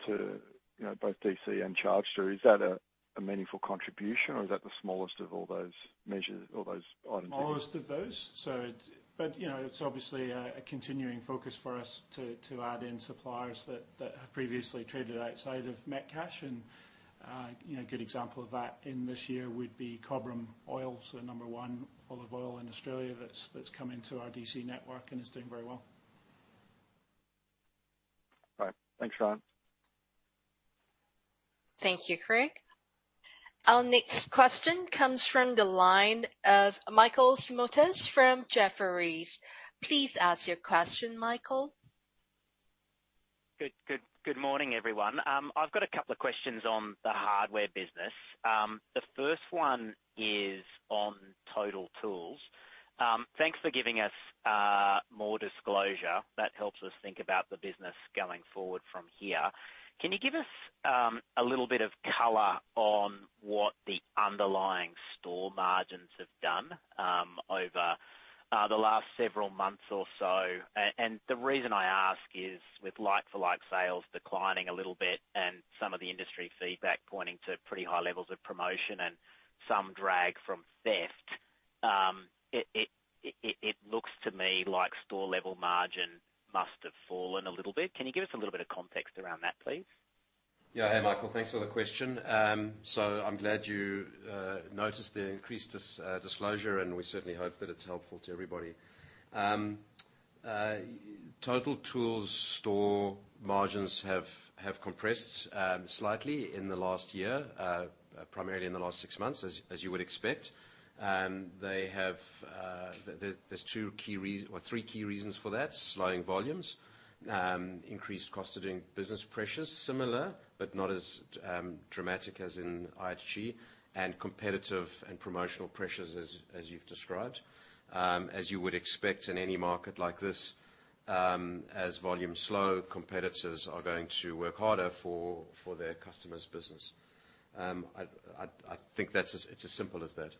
to, you know, both DC and Cherrybrook, is that a meaningful contribution, or is that the smallest of all those measures? All those items, all of those. So it, but, you know, it's obviously a continuing focus for us to add in suppliers that have previously traded outside of Metcash. And, you know, a good example of that in this year would be Cobram Estate, so No. 1 olive oil in Australia that's come into our DC network and is doing very well. All right. Thanks, Shaun. Thank you, Craig. Our next question comes from the line of Michael Simotas from Jefferies. Please ask your question, Michael. Good morning, everyone. I've got a couple of questions on the hardware business. The first one is on Total Tools. Thanks for giving us more disclosure. That helps us think about the business going forward from here. Can you give us a little bit of color on what the underlying store margins have done over the last several months or so? And the reason I ask is with like-for-like sales declining a little bit and some of the industry feedback pointing to pretty high levels of promotion and some drag from theft, it looks to me like store-level margin must have fallen a little bit. Can you give us a little bit of context around that, please? Yeah. Hey, Michael, thanks for the question. So I'm glad you noticed the increased disclosure, and we certainly hope that it's helpful to everybody. Total Tools store margins have compressed slightly in the last year, primarily in the last six months, as you would expect. They have. There's two key reason or three key reasons for that: slowing volumes, increased cost of doing business pressures, similar but not as dramatic as in IHG, and competitive and promotional pressures, as you've described. As you would expect in any market like this, as volumes slow, competitors are going to work harder for their customers' business. I think that's as simple as that.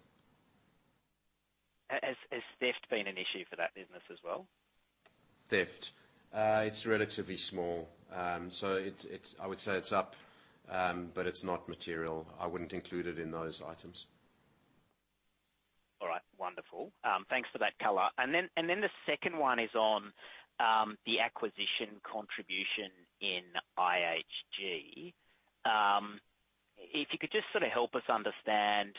Has theft been an issue for that business as well? Theft. It's relatively small. So it's, I would say, up, but it's not material. I wouldn't include it in those items. All right. Wonderful. Thanks for that color. And then, and then the second one is on, the acquisition contribution in IHG. If you could just sort of help us understand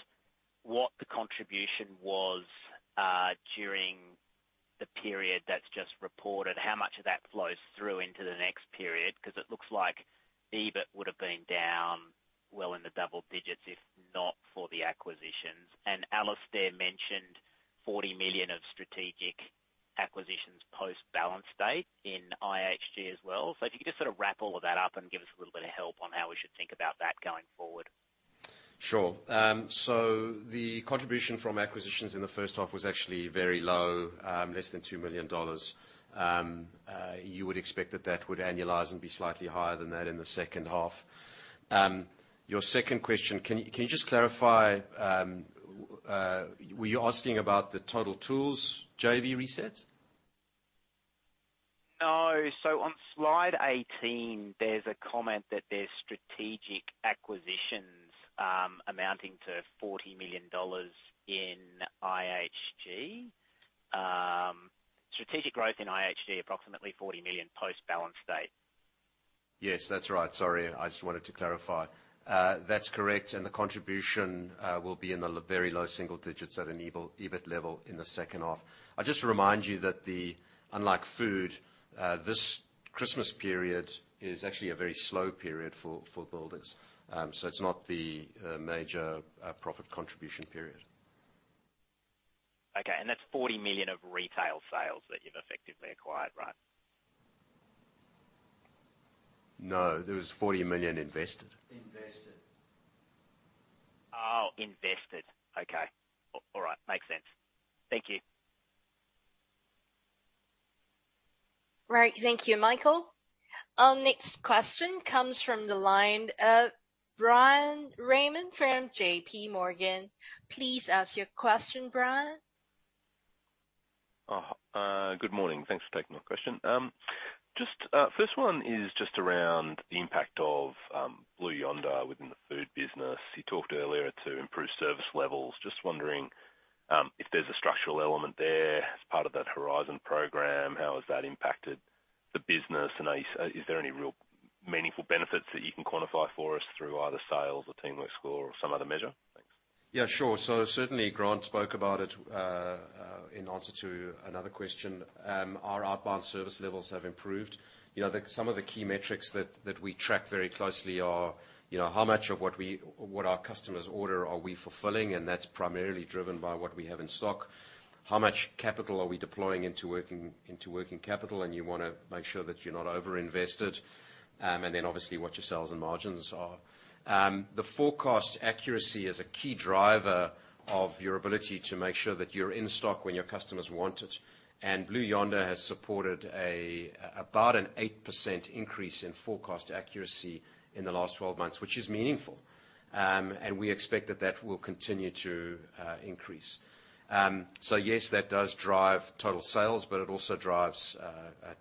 what the contribution was, during the period that's just reported, how much of that flows through into the next period? Because it looks like EBIT would have been down well in the double digits, if not for the acquisitions. And Alistair mentioned 40 million of strategic acquisitions post-balance date in IHG as well. So if you could just sort of wrap all of that up and give us a little bit of help on how we should think about that going forward. Sure. So the contribution from acquisitions in the first half was actually very low, less than 2 million dollars. You would expect that that would annualize and be slightly higher than that in the second half. Your second question, can you just clarify, were you asking about the Total Tools JV resets? No. So on slide 18, there's a comment that there's strategic acquisitions amounting to 40 million dollars in IHG. Strategic growth in IHG, approximately 40 million post-balance date. Yes, that's right. Sorry, I just wanted to clarify. That's correct, and the contribution will be in the very low single digits at an EBIT, EBIT level in the second half. I'd just remind you that the, unlike food, this Christmas period is actually a very slow period for, for builders, so it's not the major profit contribution period. Okay. That's 40 million of retail sales that you've effectively acquired, right? No, there was 40 million invested. Invested. Oh, invested. Okay. All right. Makes sense. Thank you. Right. Thank you, Michael. Our next question comes from the line of Bryan Raymond from J.P. Morgan. Please ask your question, Bryan. Good morning. Thanks for taking my question. Just, first one is just around the impact of Blue Yonder within the food business. You talked earlier to improved service levels. Just wondering, if there's a structural element there as part of that Horizon program, how has that impacted the business? And, is there any real meaningful benefits that you can quantify for us through either sales or Teamwork Score or some other measure? Thanks. Yeah, sure. So certainly, Grant spoke about it in answer to another question. Our outbound service levels have improved. You know, some of the key metrics that we track very closely are, you know, how much of what our customers order are we fulfilling? And that's primarily driven by what we have in stock. How much capital are we deploying into working capital? And you wanna make sure that you're not overinvested, and then obviously, what your sales and margins are. The forecast accuracy is a key driver of your ability to make sure that you're in stock when your customers want it. And Blue Yonder has supported about an 8% increase in forecast accuracy in the last 12 months, which is meaningful, and we expect that will continue to increase. So yes, that does drive total sales, but it also drives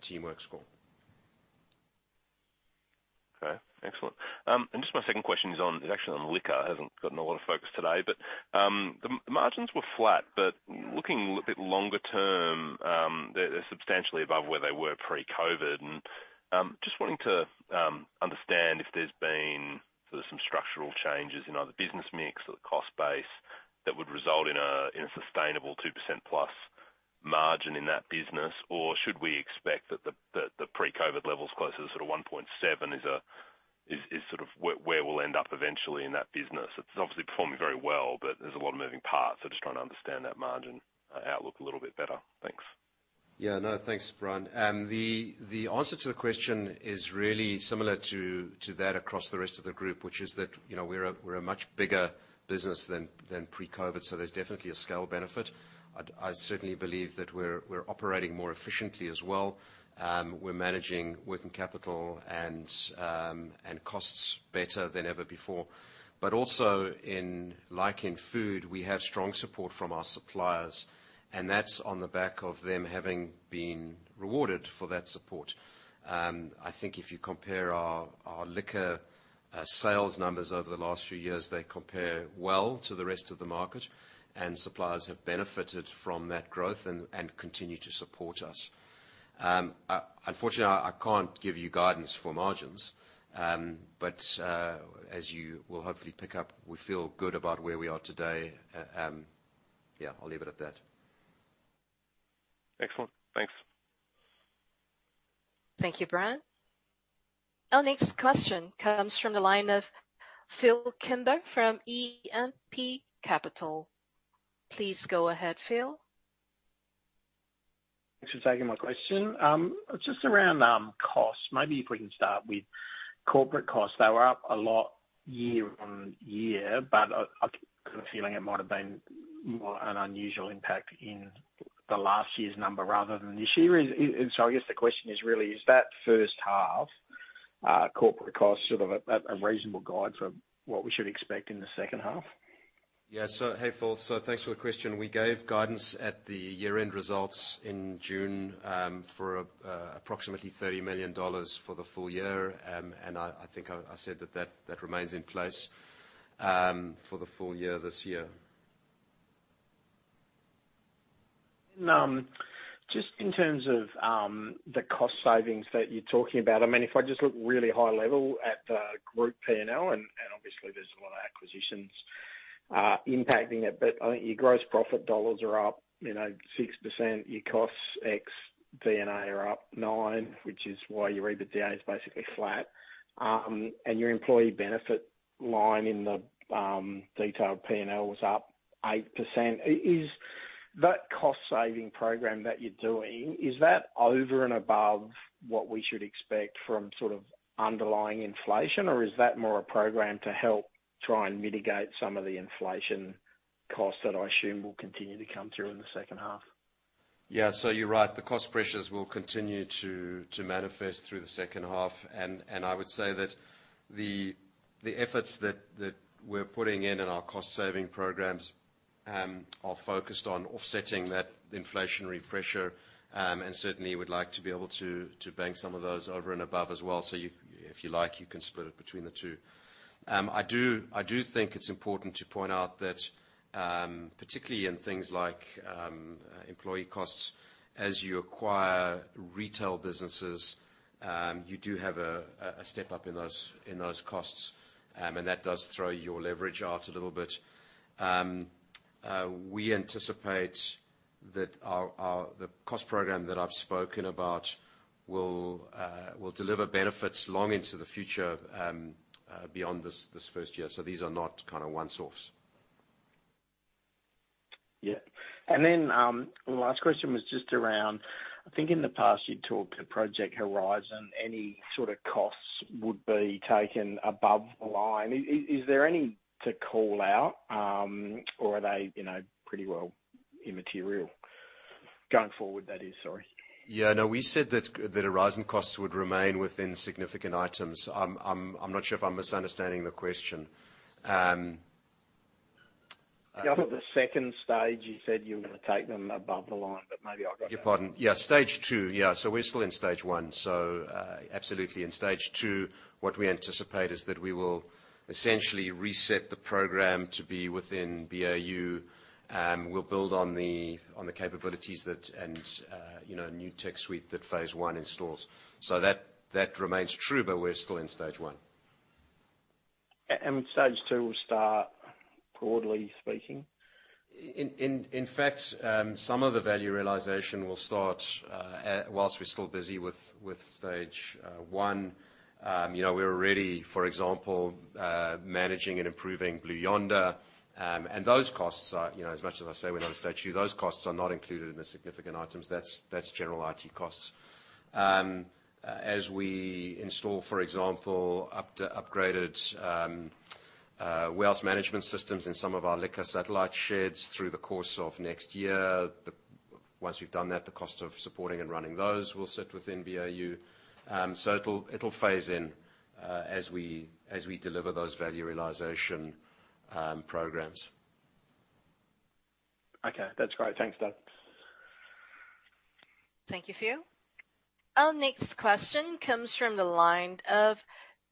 Teamwork Score. Okay, excellent. And just my second question is actually on liquor. It hasn't gotten a lot of focus today, but, the margins were flat, but looking a little bit longer term, they're substantially above where they were pre-COVID. And, just wanting to understand if there's been sort of some structural changes in either business mix or the cost base that would result in a sustainable 2%+ margin in that business? Or should we expect that the pre-COVID levels closer to sort of 1.7% is sort of where we'll end up eventually in that business. It's obviously performing very well, but there's a lot of moving parts, so just trying to understand that margin outlook a little bit better. Thanks. Yeah. No, thanks, Bryan. The answer to the question is really similar to that across the rest of the group, which is that, you know, we're a much bigger business than pre-COVID, so there's definitely a scale benefit. I certainly believe that we're operating more efficiently as well. We're managing working capital and costs better than ever before. But also, like, in food, we have strong support from our suppliers, and that's on the back of them having been rewarded for that support. I think if you compare our liquor sales numbers over the last few years, they compare well to the rest of the market, and suppliers have benefited from that growth and continue to support us. Unfortunately, I can't give you guidance for margins, but as you will hopefully pick up, we feel good about where we are today. Yeah, I'll leave it at that. Excellent. Thanks. Thank you, Bryan. Our next question comes from the line of Phil Kimber from E&P Capital. Please go ahead, Phil. Thanks for taking my question. Just around costs, maybe if we can start with corporate costs. They were up a lot year on year, but I get the feeling it might have been more an unusual impact in the last year's number rather than this year. And so I guess the question is really: Is that first half corporate cost sort of a reasonable guide for what we should expect in the second half? Yeah. So hey, Phil, so thanks for the question. We gave guidance at the year-end results in June for approximately 30 million dollars for the full year. And I think I said that that remains in place for the full year this year. Just in terms of the cost savings that you're talking about, I mean, if I just look really high level at the group P&L, and obviously there's a lot of acquisitions impacting it, but I think your gross profit dollars are up, you know, 6%, your costs ex D&A are up 9%, which is why your EBITDA is basically flat. And your employee benefit line in the detailed P&L was up 8%. Is that cost saving program that you're doing over and above what we should expect from sort of underlying inflation? Or is that more a program to help try and mitigate some of the inflation costs that I assume will continue to come through in the second half? Yeah. So you're right, the cost pressures will continue to manifest through the second half. And I would say that the efforts that we're putting in our cost saving programs are focused on offsetting that inflationary pressure. And certainly would like to be able to bank some of those over and above as well. So, if you like, you can split it between the two. I do think it's important to point out that, particularly in things like employee costs, as you acquire retail businesses, you do have a step up in those costs, and that does throw your leverage out a little bit. We anticipate that our... The cost program that I've spoken about will deliver benefits long into the future, beyond this first year. So these are not kind of one-offs. Yeah. And then, the last question was just around, I think in the past you talked of Project Horizon, any sort of costs would be taken above the line. Is there any to call out, or are they, you know, pretty well immaterial going forward, that is? Sorry. Yeah. No, we said that Horizon costs would remain within significant items. I'm not sure if I'm misunderstanding the question. Yeah, for the second stage, you said you were going to take them above the line, but maybe I got that- Beg your pardon. Yeah, stage two. Yeah, so we're still in stage one, so absolutely in stage two, what we anticipate is that we will essentially reset the program to be within BAU. We'll build on the, on the capabilities that and you know, new tech suite that phase one installs. So that, that remains true, but we're still in stage one. And stage two will start, broadly speaking? In fact, some of the value realization will start while we're still busy with stage one. You know, we're already, for example, managing and improving Blue Yonder. And those costs are, you know, as much as I say, we're not at stage two. Those costs are not included in the significant items. That's general IT costs. As we install, for example, upgraded warehouse management systems in some of our liquor satellite sheds through the course of next year, once we've done that, the cost of supporting and running those will sit within BAU. So it'll phase in as we deliver those value realization programs. Okay. That's great. Thanks, Doug. Thank you, Phil. Our next question comes from the line of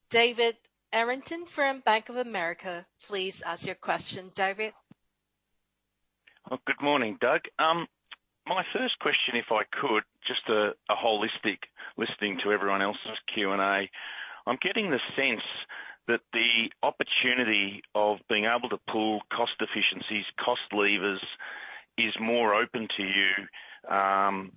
David Errington from Bank of America. Please ask your question, David. Well, good morning, Doug. My first question, if I could, just a holistic listening to everyone else's Q&A. I'm getting the sense that the opportunity of being able to pull cost efficiencies, cost levers, is more open to you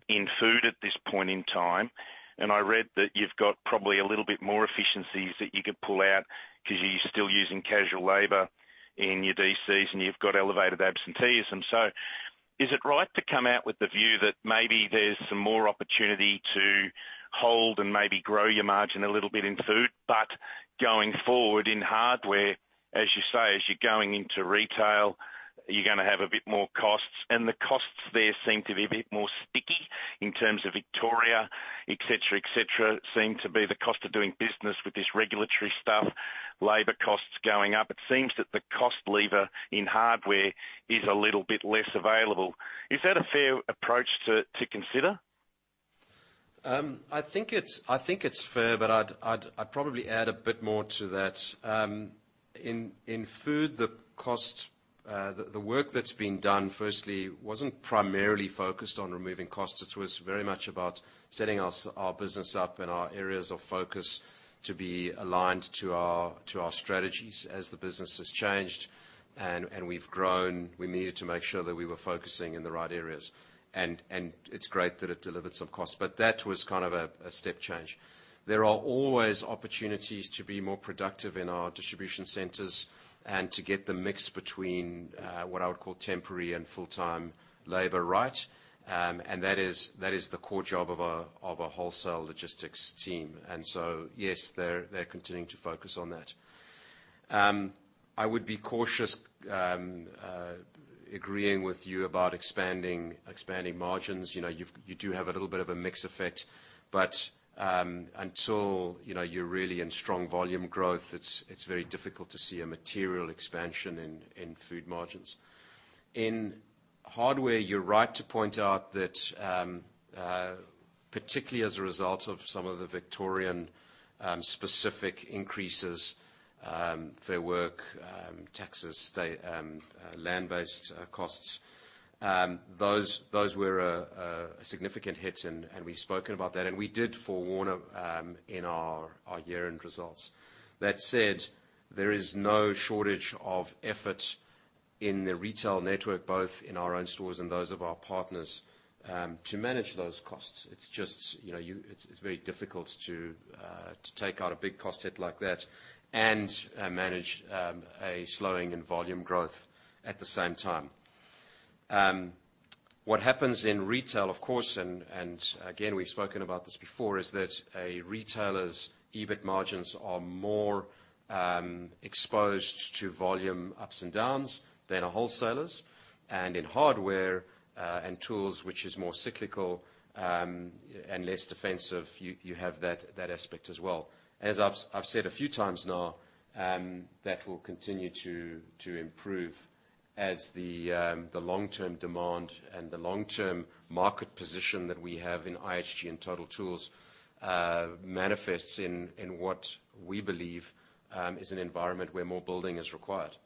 in food at this point in time. And I read that you've got probably a little bit more efficiencies that you could pull out because you're still using casual labor in your DCs, and you've got elevated absenteeism. So is it right to come out with the view that maybe there's some more opportunity to hold and maybe grow your margin a little bit in food? Going forward in hardware, as you say, as you're going into retail, you're gonna have a bit more costs, and the costs there seem to be a bit more sticky in terms of Victoria, et cetera, et cetera, seem to be the cost of doing business with this regulatory stuff, labor costs going up. It seems that the cost lever in hardware is a little bit less available. Is that a fair approach to, to consider? I think it's fair, but I'd probably add a bit more to that. In food, the work that's been done, firstly, wasn't primarily focused on removing costs. It was very much about setting our business up and our areas of focus to be aligned to our strategies. As the business has changed and we've grown, we needed to make sure that we were focusing in the right areas, and it's great that it delivered some costs. But that was kind of a step change. There are always opportunities to be more productive in our distribution centers and to get the mix between what I would call temporary and full-time labor right, and that is the core job of a wholesale logistics team. So, yes, they're continuing to focus on that. I would be cautious agreeing with you about expanding margins. You know, you've, you do have a little bit of a mix effect, but until, you know, you're really in strong volume growth, it's very difficult to see a material expansion in food margins. In hardware, you're right to point out that particularly as a result of some of the Victorian-specific increases, Fair Work, taxes, state land-based costs, those were a significant hit, and we've spoken about that. We did forewarn of in our year-end results. That said, there is no shortage of effort in the retail network, both in our own stores and those of our partners to manage those costs. It's just, you know, you—it's very difficult to take out a big cost hit like that and manage a slowing in volume growth at the same time. What happens in retail, of course, and again, we've spoken about this before, is that a retailer's EBIT margins are more exposed to volume ups and downs than a wholesaler's. And in hardware and tools, which is more cyclical and less defensive, you have that aspect as well. As I've said a few times now, that will continue to improve as the long-term demand and the long-term market position that we have in IHG and Total Tools manifests in what we believe is an environment where more building is required.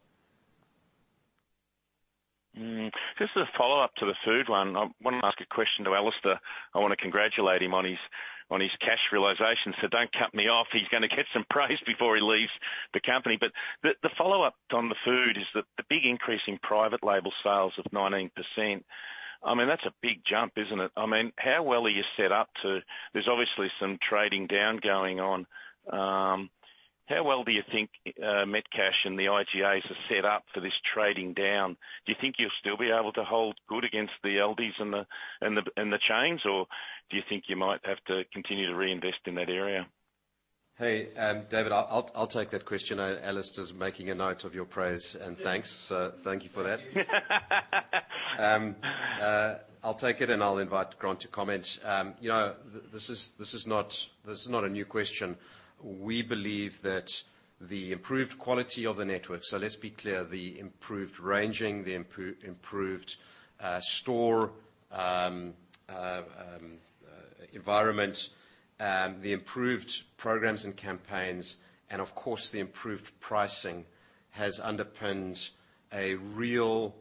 Just a follow-up to the food one. I want to ask a question to Alistair. I want to congratulate him on his cash realization, so don't cut me off. He's gonna get some praise before he leaves the company. But the follow-up on the food is that the big increase in private label sales of 19%, I mean, that's a big jump, isn't it? I mean, how well are you set up to... There's obviously some trading down going on. How well do you think Metcash and the IGAs are set up for this trading down? Do you think you'll still be able to hold good against the Aldi and the chains, or do you think you might have to continue to reinvest in that area? Hey, David, I'll take that question. Alistair's making a note of your praise and thanks, so thank you for that. I'll take it, and I'll invite Grant to comment. You know, this is not a new question. We believe that the improved quality of the network. So let's be clear, the improved ranging, the improved store environment, the improved programs and campaigns, and of course, the improved pricing, has underpinned a real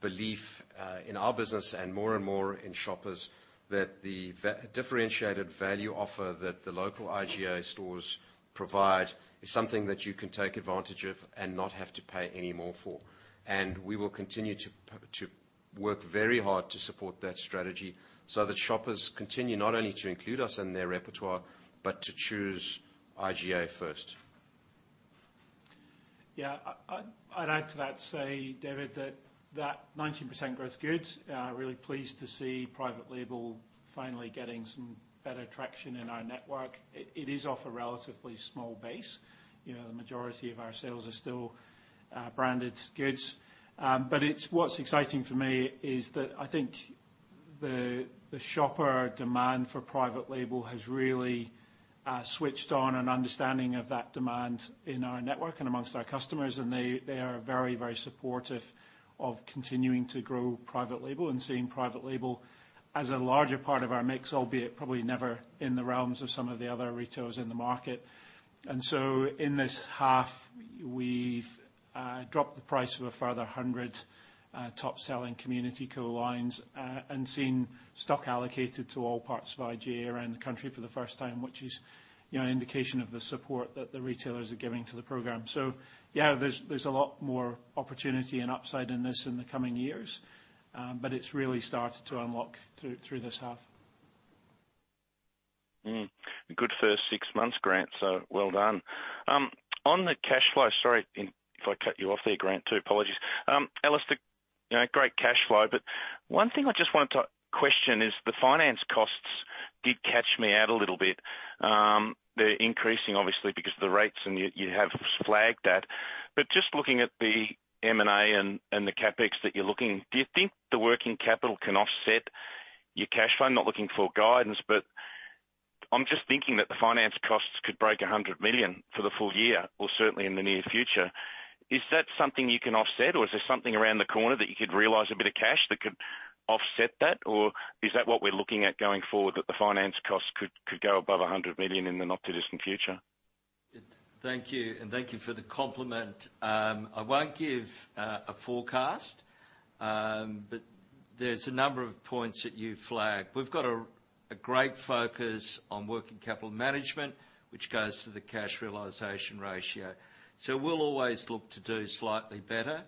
belief in our business and more and more in shoppers, that the differentiated value offer that the local IGA stores provide is something that you can take advantage of and not have to pay any more for. We will continue to work very hard to support that strategy so that shoppers continue not only to include us in their repertoire, but to choose IGA first. Yeah, I'd add to that, say, David, that that 19% growth's good. Really pleased to see private label finally getting some better traction in our network. It is off a relatively small base. You know, the majority of our sales are still branded goods. But it's what's exciting for me is that I think the shopper demand for private label has really switched on an understanding of that demand in our network and amongst our customers, and they are very, very supportive of continuing to grow private label and seeing private label as a larger part of our mix, albeit probably never in the realms of some of the other retailers in the market. And so in this half, we've dropped the price of a further 100 top-selling Community Co lines, and seen stock allocated to all parts of IGA around the country for the first time, which is, you know, an indication of the support that the retailers are giving to the program. So yeah, there's, there's a lot more opportunity and upside in this in the coming years, but it's really started to unlock through, through this half. A good first six months, Grant, so well done. On the cash flow... Sorry if I cut you off there, Grant, too. Apologies. Alistair, you know, great cash flow, but one thing I just want to question is the finance costs did catch me out a little bit. They're increasing, obviously, because of the rates, and you, you have flagged that. But just looking at the M&A and, and the CapEx that you're looking, do you think the working capital can offset your cash flow? I'm not looking for guidance, but I'm just thinking that the finance costs could break 100 million for the full year or certainly in the near future. Is that something you can offset, or is there something around the corner that you could realize a bit of cash that could offset that? Or is that what we're looking at going forward, that the finance costs could, could go above 100 million in the not-too-distant future? Thank you, and thank you for the compliment. I won't give a forecast, but there's a number of points that you flagged. We've got a great focus on working capital management, which goes to the cash realization ratio, so we'll always look to do slightly better.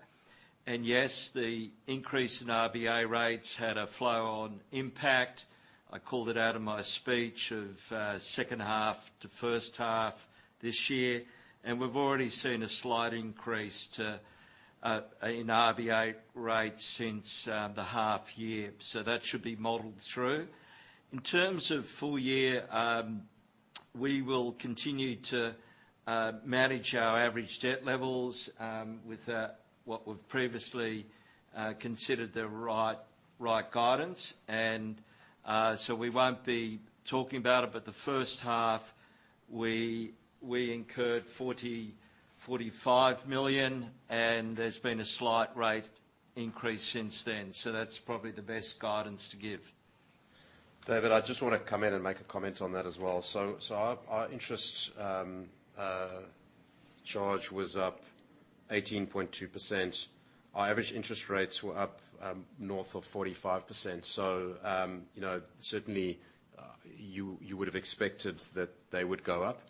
And yes, the increase in RBA rates had a flow-on impact. I called it out in my speech of second half to first half this year, and we've already seen a slight increase in RBA rates since the half year, so that should be modeled through. In terms of full year, we will continue to manage our average debt levels with what we've previously considered the right guidance. We won't be talking about it, but the first half, we incurred 45 million, and there's been a slight rate increase since then, so that's probably the best guidance to give. David, I just want to come in and make a comment on that as well. So our interest charge was up 18.2%. Our average interest rates were up north of 45%. So you know, certainly you would have expected that they would go up.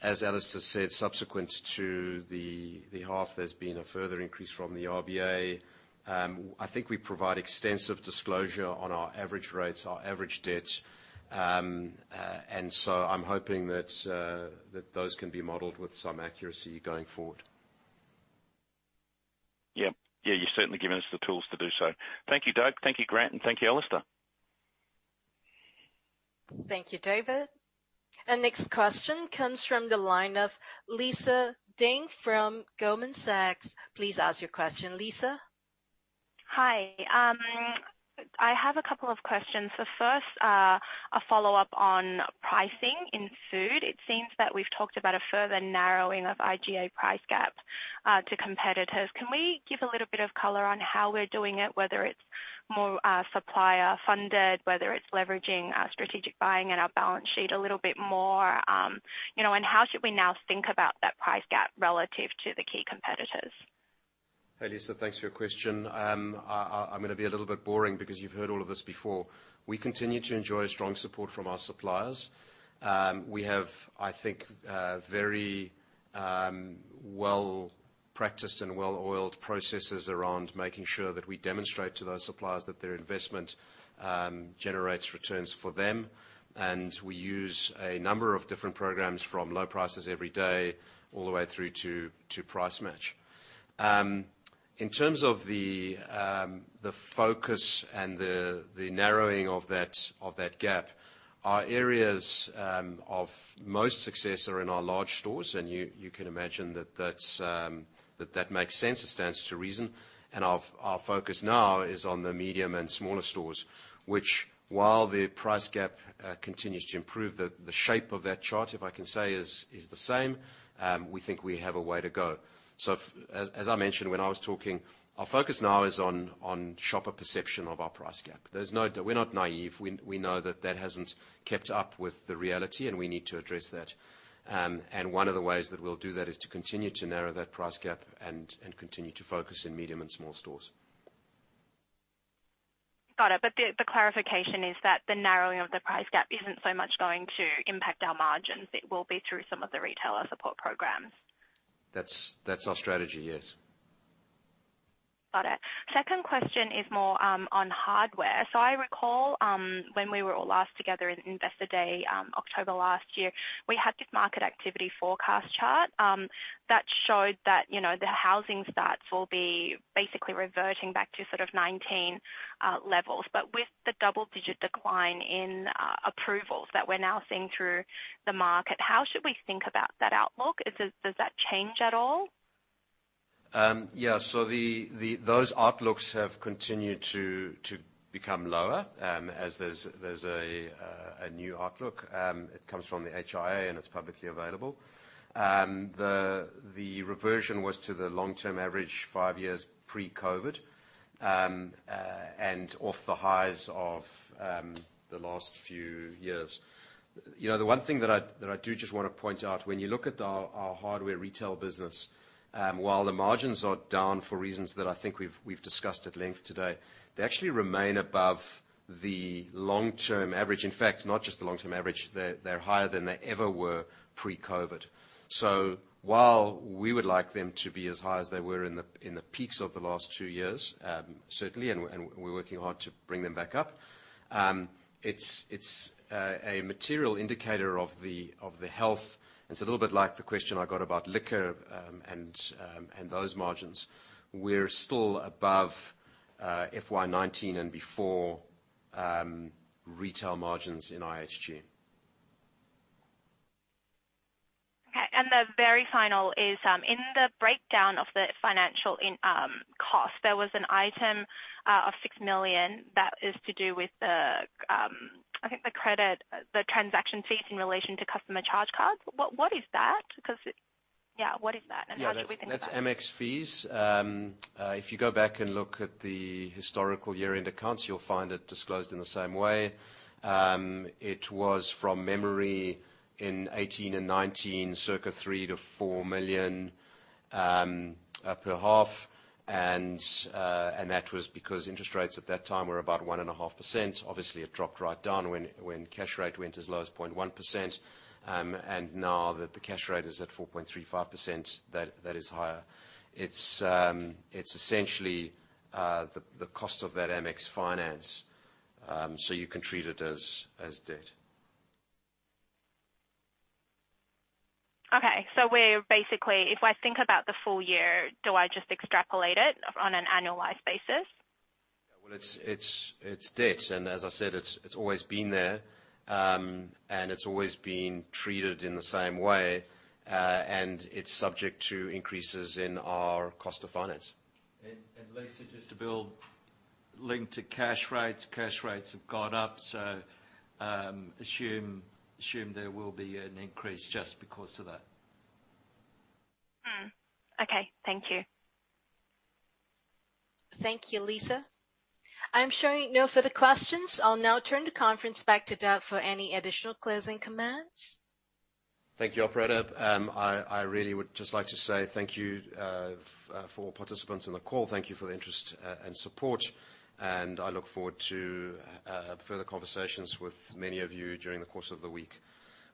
As Alistair said, subsequent to the half, there's been a further increase from the RBA. I think we provide extensive disclosure on our average rates, our average debt, and so I'm hoping that those can be modeled with some accuracy going forward. Yep. Yeah, you've certainly given us the tools to do so. Thank you, Dave. Thank you, Grant, and thank you, Alistair. Thank you, David. And next question comes from the line of Lisa Ding from Goldman Sachs. Please ask your question, Lisa. Hi. I have a couple of questions. The first, a follow-up on pricing in food. It seems that we've talked about a further narrowing of IGA price gap to competitors. Can we give a little bit of color on how we're doing it, whether it's more supplier funded, whether it's leveraging our strategic buying and our balance sheet a little bit more? You know, and how should we now think about that price gap relative to the key competitors? Hey, Lisa, thanks for your question. I'm going to be a little bit boring because you've heard all of this before. We continue to enjoy strong support from our suppliers. We have, I think, a very well-practiced and well-oiled processes around making sure that we demonstrate to those suppliers that their investment generates returns for them. We use a number of different programs, from low prices every day all the way through to Price Match. In terms of the focus and the narrowing of that gap, our areas of most success are in our large stores, and you can imagine that that's that makes sense. It stands to reason. And our focus now is on the medium and smaller stores, which while the price gap continues to improve, the shape of that chart, if I can say, is the same. We think we have a way to go. So as I mentioned when I was talking, our focus now is on shopper perception of our price gap. There's no doubt... We're not naive. We know that that hasn't kept up with the reality, and we need to address that. And one of the ways that we'll do that is to continue to narrow that price gap and continue to focus in medium and small stores. Got it. But the clarification is that the narrowing of the price gap isn't so much going to impact our margins. It will be through some of the retailer support programs. That's, that's our strategy, yes. Got it. Second question is more on hardware. So I recall, when we were all last together in Investor Day, October last year, we had this market activity forecast chart that showed that, you know, the housing starts will be basically reverting back to sort of 19 levels. But with the double-digit decline in approvals that we're now seeing through the market, how should we think about that outlook? Is it, does that change at all? Yeah, so those outlooks have continued to become lower, as there's a new outlook. It comes from the HIA, and it's publicly available. The reversion was to the long-term average, five years pre-COVID, and off the highs of the last few years. You know, the one thing that I do just want to point out, when you look at our hardware retail business, while the margins are down for reasons that I think we've discussed at length today, they actually remain above the long-term average. In fact, not just the long-term average, they're higher than they ever were pre-COVID. So while we would like them to be as high as they were in the peaks of the last two years, certainly, and we're working hard to bring them back up, it's a material indicator of the health. It's a little bit like the question I got about liquor, and those margins. We're still above FY 19 and before retail margins in IHG. Okay, and the very final is, in the breakdown of the financial in cost, there was an item of 6 million that is to do with the, I think, the credit, the transaction fees in relation to customer charge cards. What, what is that? Because it... Yeah, what is that, and how do we think about it? Yeah, that's, that's Amex fees. If you go back and look at the historical year-end accounts, you'll find it disclosed in the same way. It was from memory in 2018 and 2019, circa 3-4 million, per half. And that was because interest rates at that time were about 1.5%. Obviously, it dropped right down when cash rate went as low as 0.1%. And now that the cash rate is at 4.35%, that is higher. It's essentially the cost of that Amex finance, so you can treat it as debt. Okay, so where basically, if I think about the full year, do I just extrapolate it on an annualized basis? Well, it's debt, and as I said, it's always been there. And it's always been treated in the same way, and it's subject to increases in our cost of finance. Lisa, just to build, linked to cash rates, cash rates have gone up, so assume there will be an increase just because of that. Okay. Thank you. Thank you, Lisa. I'm showing no further questions. I'll now turn the conference back to Doug for any additional closing comments. Thank you, operator. I really would just like to say thank you for participants in the call, thank you for the interest and support, and I look forward to further conversations with many of you during the course of the week.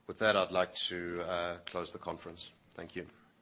With that, I'd like to close the conference. Thank you.